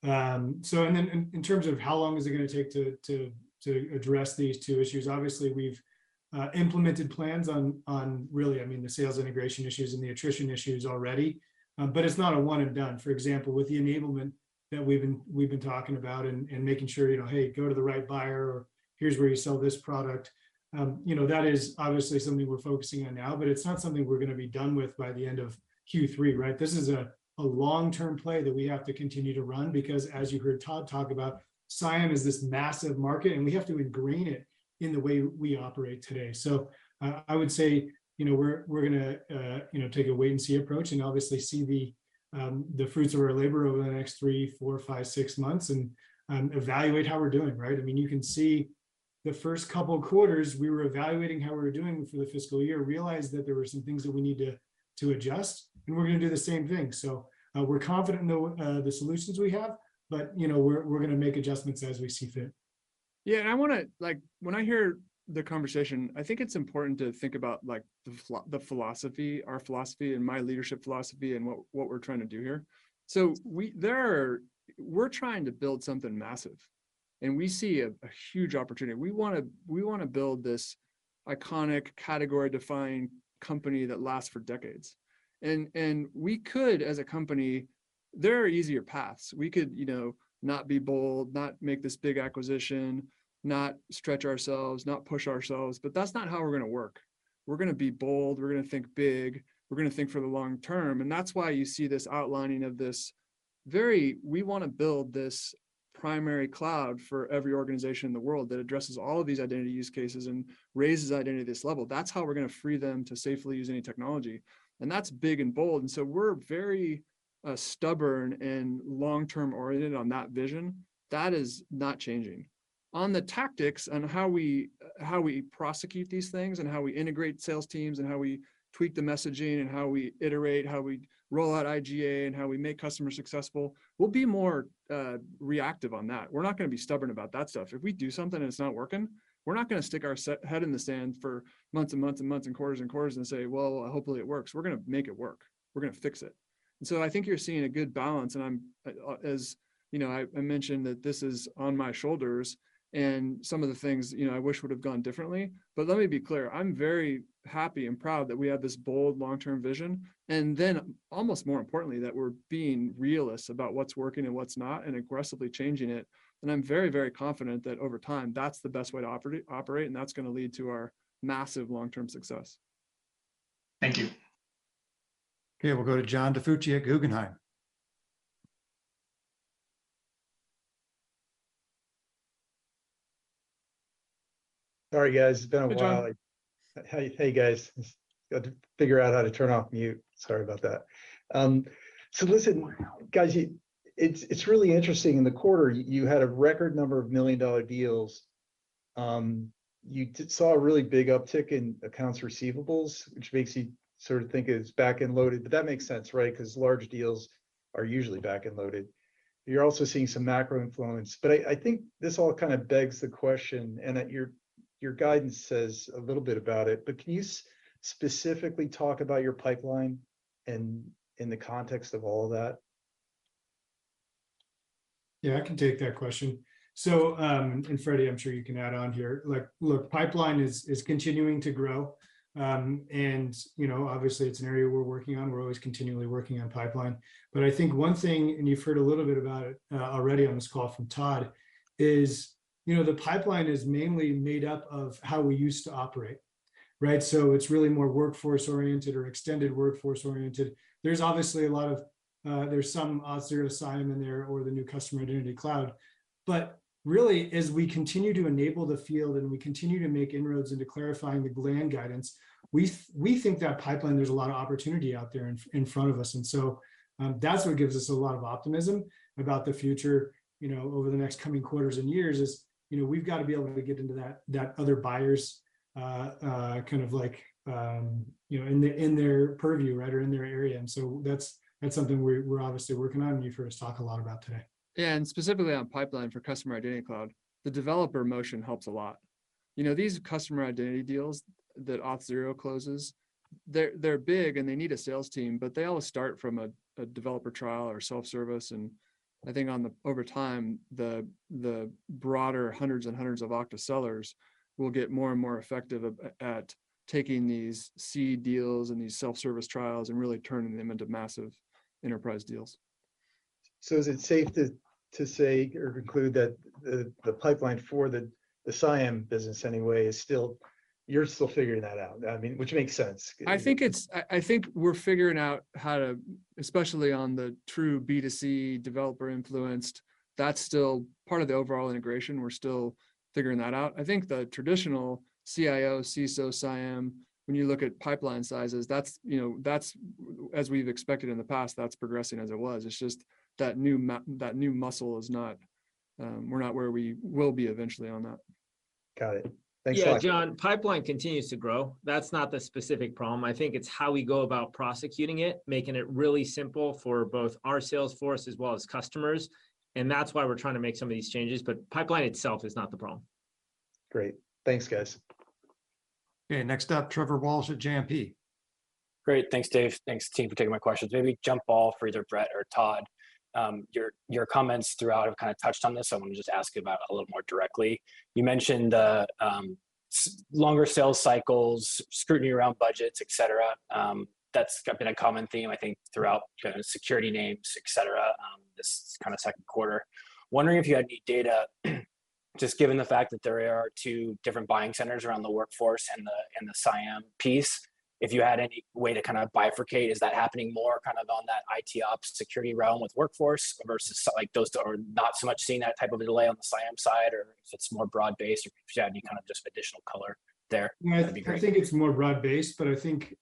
In terms of how long is it gonna take to address these two issues, obviously we've implemented plans on really, I mean, the sales integration issues and the attrition issues already. It's not a one and done. For example, with the enablement that we've been talking about and making sure, you know, hey, go to the right buyer or here's where you sell this product, you know, that is obviously something we're focusing on now, but it's not something we're gonna be done with by the end of Q3, right? This is a long-term play that we have to continue to run because as you heard Todd talk about, CIAM is this massive market, and we have to ingrain it in the way we operate today. I would say, you know, we're gonna take a wait and see approach and obviously see the fruits of our labor over the next three, four, five, six months and evaluate how we're doing, right? I mean, you can see the first couple of quarters we were evaluating how we were doing for the fiscal year, realized that there were some things that we need to adjust, and we're gonna do the same thing. We're confident in the solutions we have, but, you know, we're gonna make adjustments as we see fit.
Yeah, I wanna. Like, when I hear the conversation, I think it's important to think about, like, the philosophy, our philosophy and my leadership philosophy and what we're trying to do here. We're trying to build something massive, and we see a huge opportunity. We wanna build this iconic category-defining company that lasts for decades. We could, as a company, there are easier paths. We could, you know, not be bold, not make this big acquisition, not stretch ourselves, not push ourselves, but that's not how we're gonna work. We're gonna be bold, we're gonna think big, we're gonna think for the long term, and that's why you see this outlining of this we wanna build this primary cloud for every organization in the world that addresses all of these identity use cases and raises identity to this level. That's how we're gonna free them to safely use any technology, and that's big and bold. We're very stubborn and long-term oriented on that vision. That is not changing. On the tactics, on how we prosecute these things and how we integrate sales teams and how we tweak the messaging and how we iterate, how we roll out IGA and how we make customers successful, we'll be more reactive on that. We're not gonna be stubborn about that stuff. If we do something and it's not working, we're not gonna stick our head in the sand for months and months and months and quarters and quarters and quarters and say, "Well, hopefully it works." We're gonna make it work. We're gonna fix it. I think you're seeing a good balance, and I'm, as you know, I mentioned that this is on my shoulders, and some of the things, you know, I wish would've gone differently. Let me be clear, I'm very happy and proud that we have this bold long-term vision, and then almost more importantly, that we're being realists about what's working and what's not and aggressively changing it. I'm very, very confident that over time that's the best way to operate, and that's gonna lead to our massive long-term success. Thank you.
Okay, we'll go to John DiFucci at Guggenheim.
Sorry, guys. It's been a while.
Hey, John.
Hey, guys. Just gotta figure out how to turn off mute. Sorry about that. Listen, guys, it's really interesting. In the quarter you had a record number of million-dollar deals. You saw a really big uptick in accounts receivables, which makes you sort of think it's back-end loaded, but that makes sense, right? Because large deals are usually back-end loaded. You're also seeing some macro influence. I think this all kind of begs the question, and that your guidance says a little bit about it, but can you specifically talk about your pipeline and in the context of all of that?
Yeah, I can take that question. Freddy, I'm sure you can add on here. Like, look, pipeline is continuing to grow, and you know, obviously it's an area we're working on. We're always continually working on pipeline. I think one thing, and you've heard a little bit about it already on this call from Todd, is, you know, the pipeline is mainly made up of how we used to operate, right? It's really more workforce-oriented or extended workforce-oriented. There's obviously a lot of some Auth0 CIAM in there or the new Customer Identity Cloud. Really, as we continue to enable the field and we continue to make inroads into clarifying the non-GAAP guidance, we think that pipeline, there's a lot of opportunity out there in front of us. That's what gives us a lot of optimism about the future, you know, over the next coming quarters and years is, you know, we've got to be able to get into that other buyers' kind of like, you know, in their purview, right, or in their area. That's something we're obviously working on and you've heard us talk a lot about today.
Yeah, specifically on pipeline for Customer Identity Cloud, the developer motion helps a lot. You know, these customer identity deals that Auth0 closes, they're big and they need a sales team, but they all start from a developer trial or self-service, and I think over time, the broader hundreds and hundreds of Okta sellers will get more and more effective at taking these C deals and these self-service trials and really turning them into massive enterprise deals.
Is it safe to say or conclude that the pipeline for the CIAM business anyway is still. You're still figuring that out. I mean, which makes sense.
I think we're figuring out how to, especially on the true B2C developer-influenced, that's still part of the overall integration. We're still figuring that out. I think the traditional CIO, CISO, CIAM, when you look at pipeline sizes, that's, you know, as we've expected in the past, that's progressing as it was. It's just that new muscle is not, we're not where we will be eventually on that.
Got it. Thanks a lot.
Yeah, John, pipeline continues to grow. That's not the specific problem. I think it's how we go about prosecuting it, making it really simple for both our sales force as well as customers, and that's why we're trying to make some of these changes, but pipeline itself is not the problem.
Great. Thanks, guys.
Okay, next up, Trevor Walsh at JMP.
Great. Thanks, Dave. Thanks, team, for taking my questions. Maybe jump ball for either Brett or Todd. Your comments throughout have kind of touched on this, so I want to just ask about it a little more directly. You mentioned longer sales cycles, scrutiny around budgets, et cetera. That's been a common theme, I think, throughout kind of security names, et cetera, this kind of second quarter. Wondering if you had any data, just given the fact that there are two different buying centers around the workforce and the CIAM piece, if you had any way to kind of bifurcate, is that happening more kind of on that IT ops security realm with workforce versus like those that are not so much seeing that type of a delay on the CIAM side, or if it's more broad-based, or if you had any kind of just additional color there, that'd be great?
Yeah, I think it's more broad-based, but I think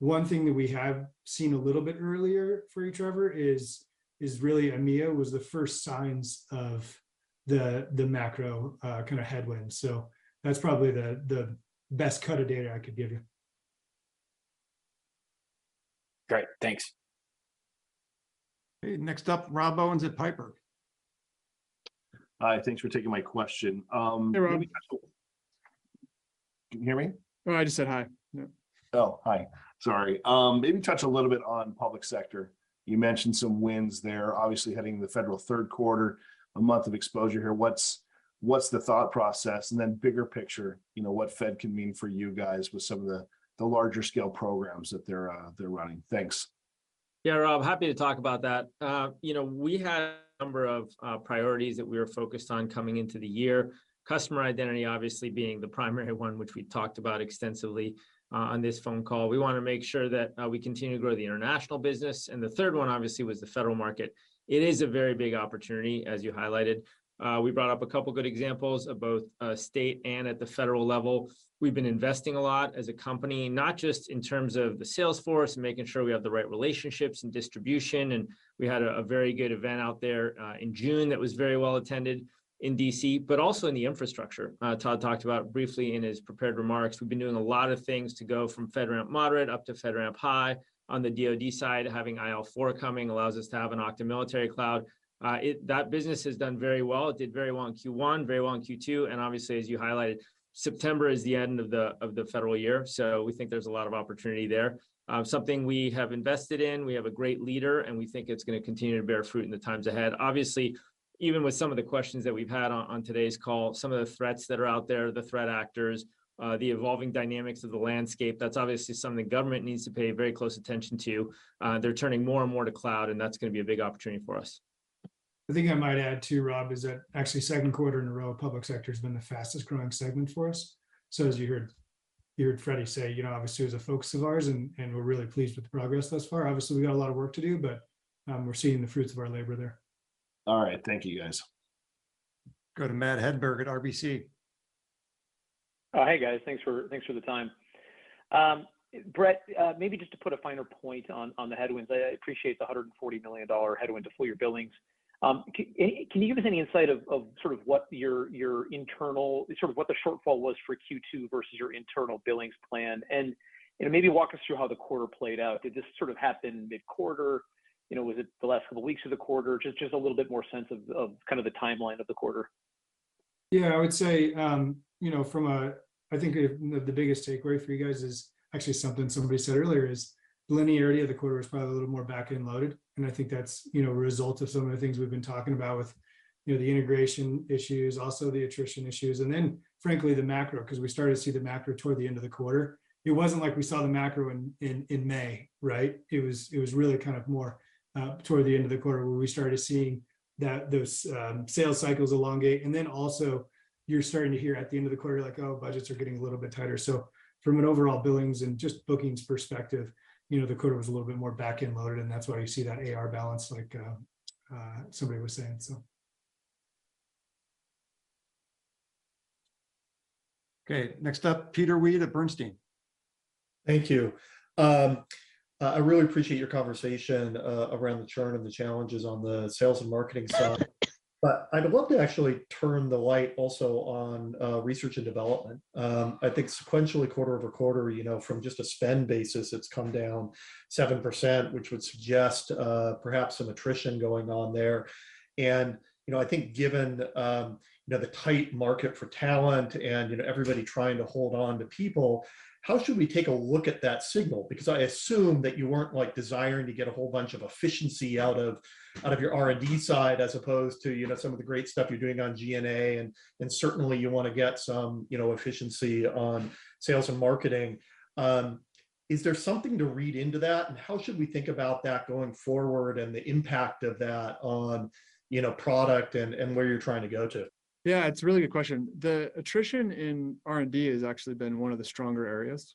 one thing that we have seen a little bit earlier for you, Trevor, is really EMEA was the first signs of the macro kind of headwind. That's probably the best cut of data I could give you.
Great. Thanks.
Okay. Next up, Rob Owens at Piper.
Hi. Thanks for taking my question.
Hey, Rob.
Can you hear me?
No, I just said hi. Yeah.
Oh, hi. Sorry. Maybe touch a little bit on public sector. You mentioned some wins there. Obviously, heading into the federal third quarter, a month of exposure here. What's the thought process? Then bigger picture, you know, what Fed can mean for you guys with some of the larger scale programs that they're running. Thanks.
Yeah, Rob, happy to talk about that. You know, we had a number of priorities that we were focused on coming into the year. Customer identity obviously being the primary one which we talked about extensively on this phone call. We wanna make sure that we continue to grow the international business. The third one, obviously, was the federal market. It is a very big opportunity, as you highlighted. We brought up a couple good examples of both state and at the federal level. We've been investing a lot as a company, not just in terms of the sales force and making sure we have the right relationships and distribution, and we had a very good event out there in June that was very well attended in D.C., but also in the infrastructure.
Todd talked about briefly in his prepared remarks, we've been doing a lot of things to go from FedRAMP Moderate up to FedRAMP High. On the DoD side, having IL4 coming allows us to have an Okta Military Cloud. That business has done very well. It did very well in Q1, very well in Q2, and obviously, as you highlighted, September is the end of the federal year, so we think there's a lot of opportunity there. Something we have invested in, we have a great leader, and we think it's gonna continue to bear fruit in the times ahead. Obviously, even with some of the questions that we've had on today's call, some of the threats that are out there, the threat actors, the evolving dynamics of the landscape, that's obviously something the government needs to pay very close attention to. They're turning more and more to cloud, and that's gonna be a big opportunity for us.
The thing I might add too, Rob, is that actually second quarter in a row, public sector's been the fastest growing segment for us. As you heard Freddy say, you know, obviously it was a focus of ours and we're really pleased with the progress thus far. Obviously, we've got a lot of work to do, but we're seeing the fruits of our labor there.
All right. Thank you guys.
Go to Matthew Hedberg at RBC.
Oh, hey guys. Thanks for the time. Brett, maybe just to put a finer point on the headwinds, I appreciate the $140 million headwind to full year billings. Can you give us any insight into sort of what the shortfall was for Q2 versus your internal billings plan? You know, maybe walk us through how the quarter played out. Did this sort of happen mid-quarter? You know, was it the last couple of weeks of the quarter? Just a little bit more sense of kind of the timeline of the quarter.
Yeah. I would say, you know, I think the biggest takeaway for you guys is actually something somebody said earlier is linearity of the quarter was probably a little more back-end loaded, and I think that's, you know, a result of some of the things we've been talking about with, you know, the integration issues, also the attrition issues, and then frankly, the macro, because we started to see the macro toward the end of the quarter. It wasn't like we saw the macro in May, right? It was really kind of more toward the end of the quarter where we started seeing that those sales cycles elongate. Then also you're starting to hear at the end of the quarter you're like, "Oh, budgets are getting a little bit tighter." From an overall billings and just bookings perspective, you know, the quarter was a little bit more back-end loaded, and that's why you see that AR balance like, somebody was saying so.
Okay. Next up, Peter Weed at Bernstein.
Thank you. I really appreciate your conversation around the churn and the challenges on the sales and marketing side. I'd love to actually turn the light also on research and development. I think sequentially quarter-over-quarter, you know, from just a spend basis, it's come down 7%, which would suggest perhaps some attrition going on there. I think given you know the tight market for talent and, you know, everybody trying to hold on to people, how should we take a look at that signal? Because I assume that you weren't like desiring to get a whole bunch of efficiency out of your R&D side as opposed to, you know, some of the great stuff you're doing on G&A, and certainly you wanna get some, you know, efficiency on sales and marketing. Is there something to read into that, and how should we think about that going forward and the impact of that on, you know, product and where you're trying to go to? Yeah, it's a really good question. The attrition in R&D has actually been one of the stronger areas.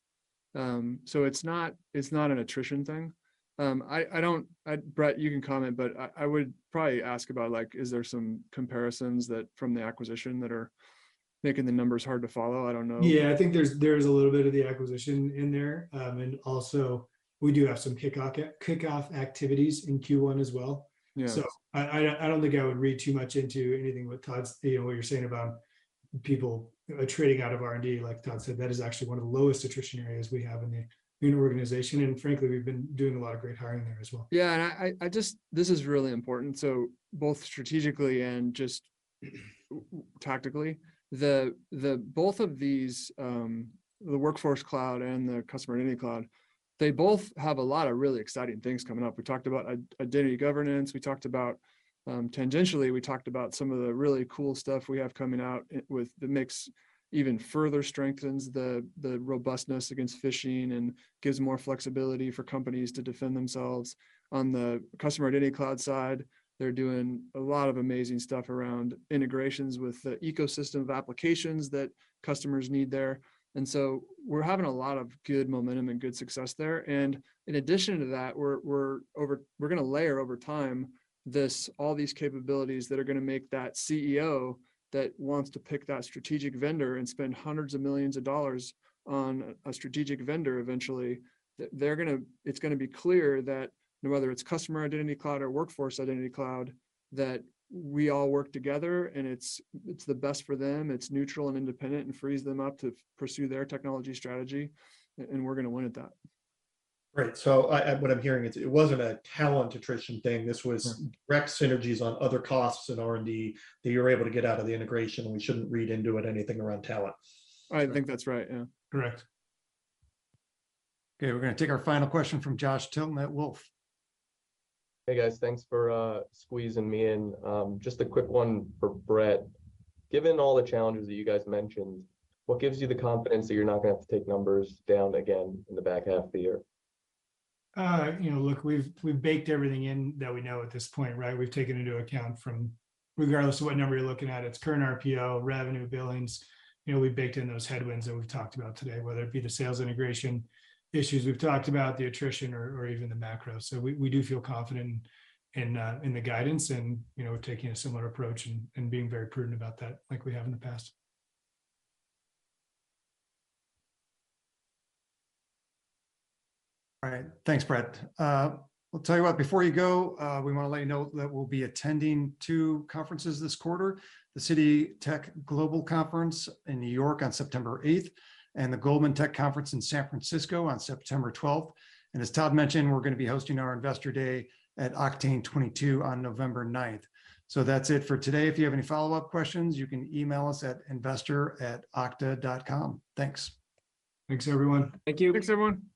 So it's not an attrition thing. Brett, you can comment, but I would probably ask about like, is there some comparisons that from the acquisition that are making the numbers hard to follow? I don't know.
Yeah. I think there's a little bit of the acquisition in there. Also we do have some kick-off activities in Q1 as well.
Yeah.
I don't think I would read too much into anything what Todd's you know what you're saying about people trading out of R&D. Like Todd said, that is actually one of the lowest attrition areas we have in the organization, and frankly, we've been doing a lot of great hiring there as well.
Yeah. I just, this is really important. Both strategically and just tactically, both of these, the Workforce Identity Cloud and the Customer Identity Cloud, they both have a lot of really exciting things coming up. We talked about Identity Governance, we talked about tangentially, we talked about some of the really cool stuff we have coming out with them. It even further strengthens the robustness against phishing and gives more flexibility for companies to defend themselves. On the Customer Identity Cloud side, they're doing a lot of amazing stuff around integrations with the ecosystem of applications that customers need there. We're having a lot of good momentum and good success there. In addition to that, we're gonna layer over time this, all these capabilities that are gonna make that CEO that wants to pick that strategic vendor and spend hundreds of millions of dollars on a strategic vendor eventually, they're gonna be clear that whether it's Customer Identity Cloud or Workforce Identity Cloud, that we all work together and it's the best for them, it's neutral and independent and frees them up to pursue their technology strategy, and we're gonna win at that. Great. What I'm hearing is it wasn't a talent attrition thing. This was-
No
Cost synergies on other costs in R&D that you're able to get out of the integration and we shouldn't read into it anything around talent. I think that's right. Yeah.
Correct.
Okay, we're gonna take our final question from Josh Tilton at Wolfe.
Hey guys. Thanks for squeezing me in. Just a quick one for Brett. Given all the challenges that you guys mentioned, what gives you the confidence that you're not gonna have to take numbers down again in the back half of the year?
You know, look, we've baked everything in that we know at this point, right? We've taken into account regardless of what number you're looking at, it's current RPO, revenue, billings. You know, we've baked in those headwinds that we've talked about today, whether it be the sales integration issues we've talked about, the attrition or even the macro. We do feel confident in the guidance and, you know, taking a similar approach and being very prudent about that like we have in the past.
All right. Thanks, Brett. I'll tell you what, before you go, we wanna let you know that we'll be attending two conferences this quarter, the Citi Global Technology Conference in New York on September 8th, and the Goldman Sachs Technology Conference in San Francisco on September twelfth. As Todd mentioned, we're gonna be hosting our Investor Day at Oktane 2022 on November 9th. That's it for today. If you have any follow-up questions, you can email us at investor@okta.com. Thanks.
Thanks, everyone.
Thank you.
Thanks, everyone.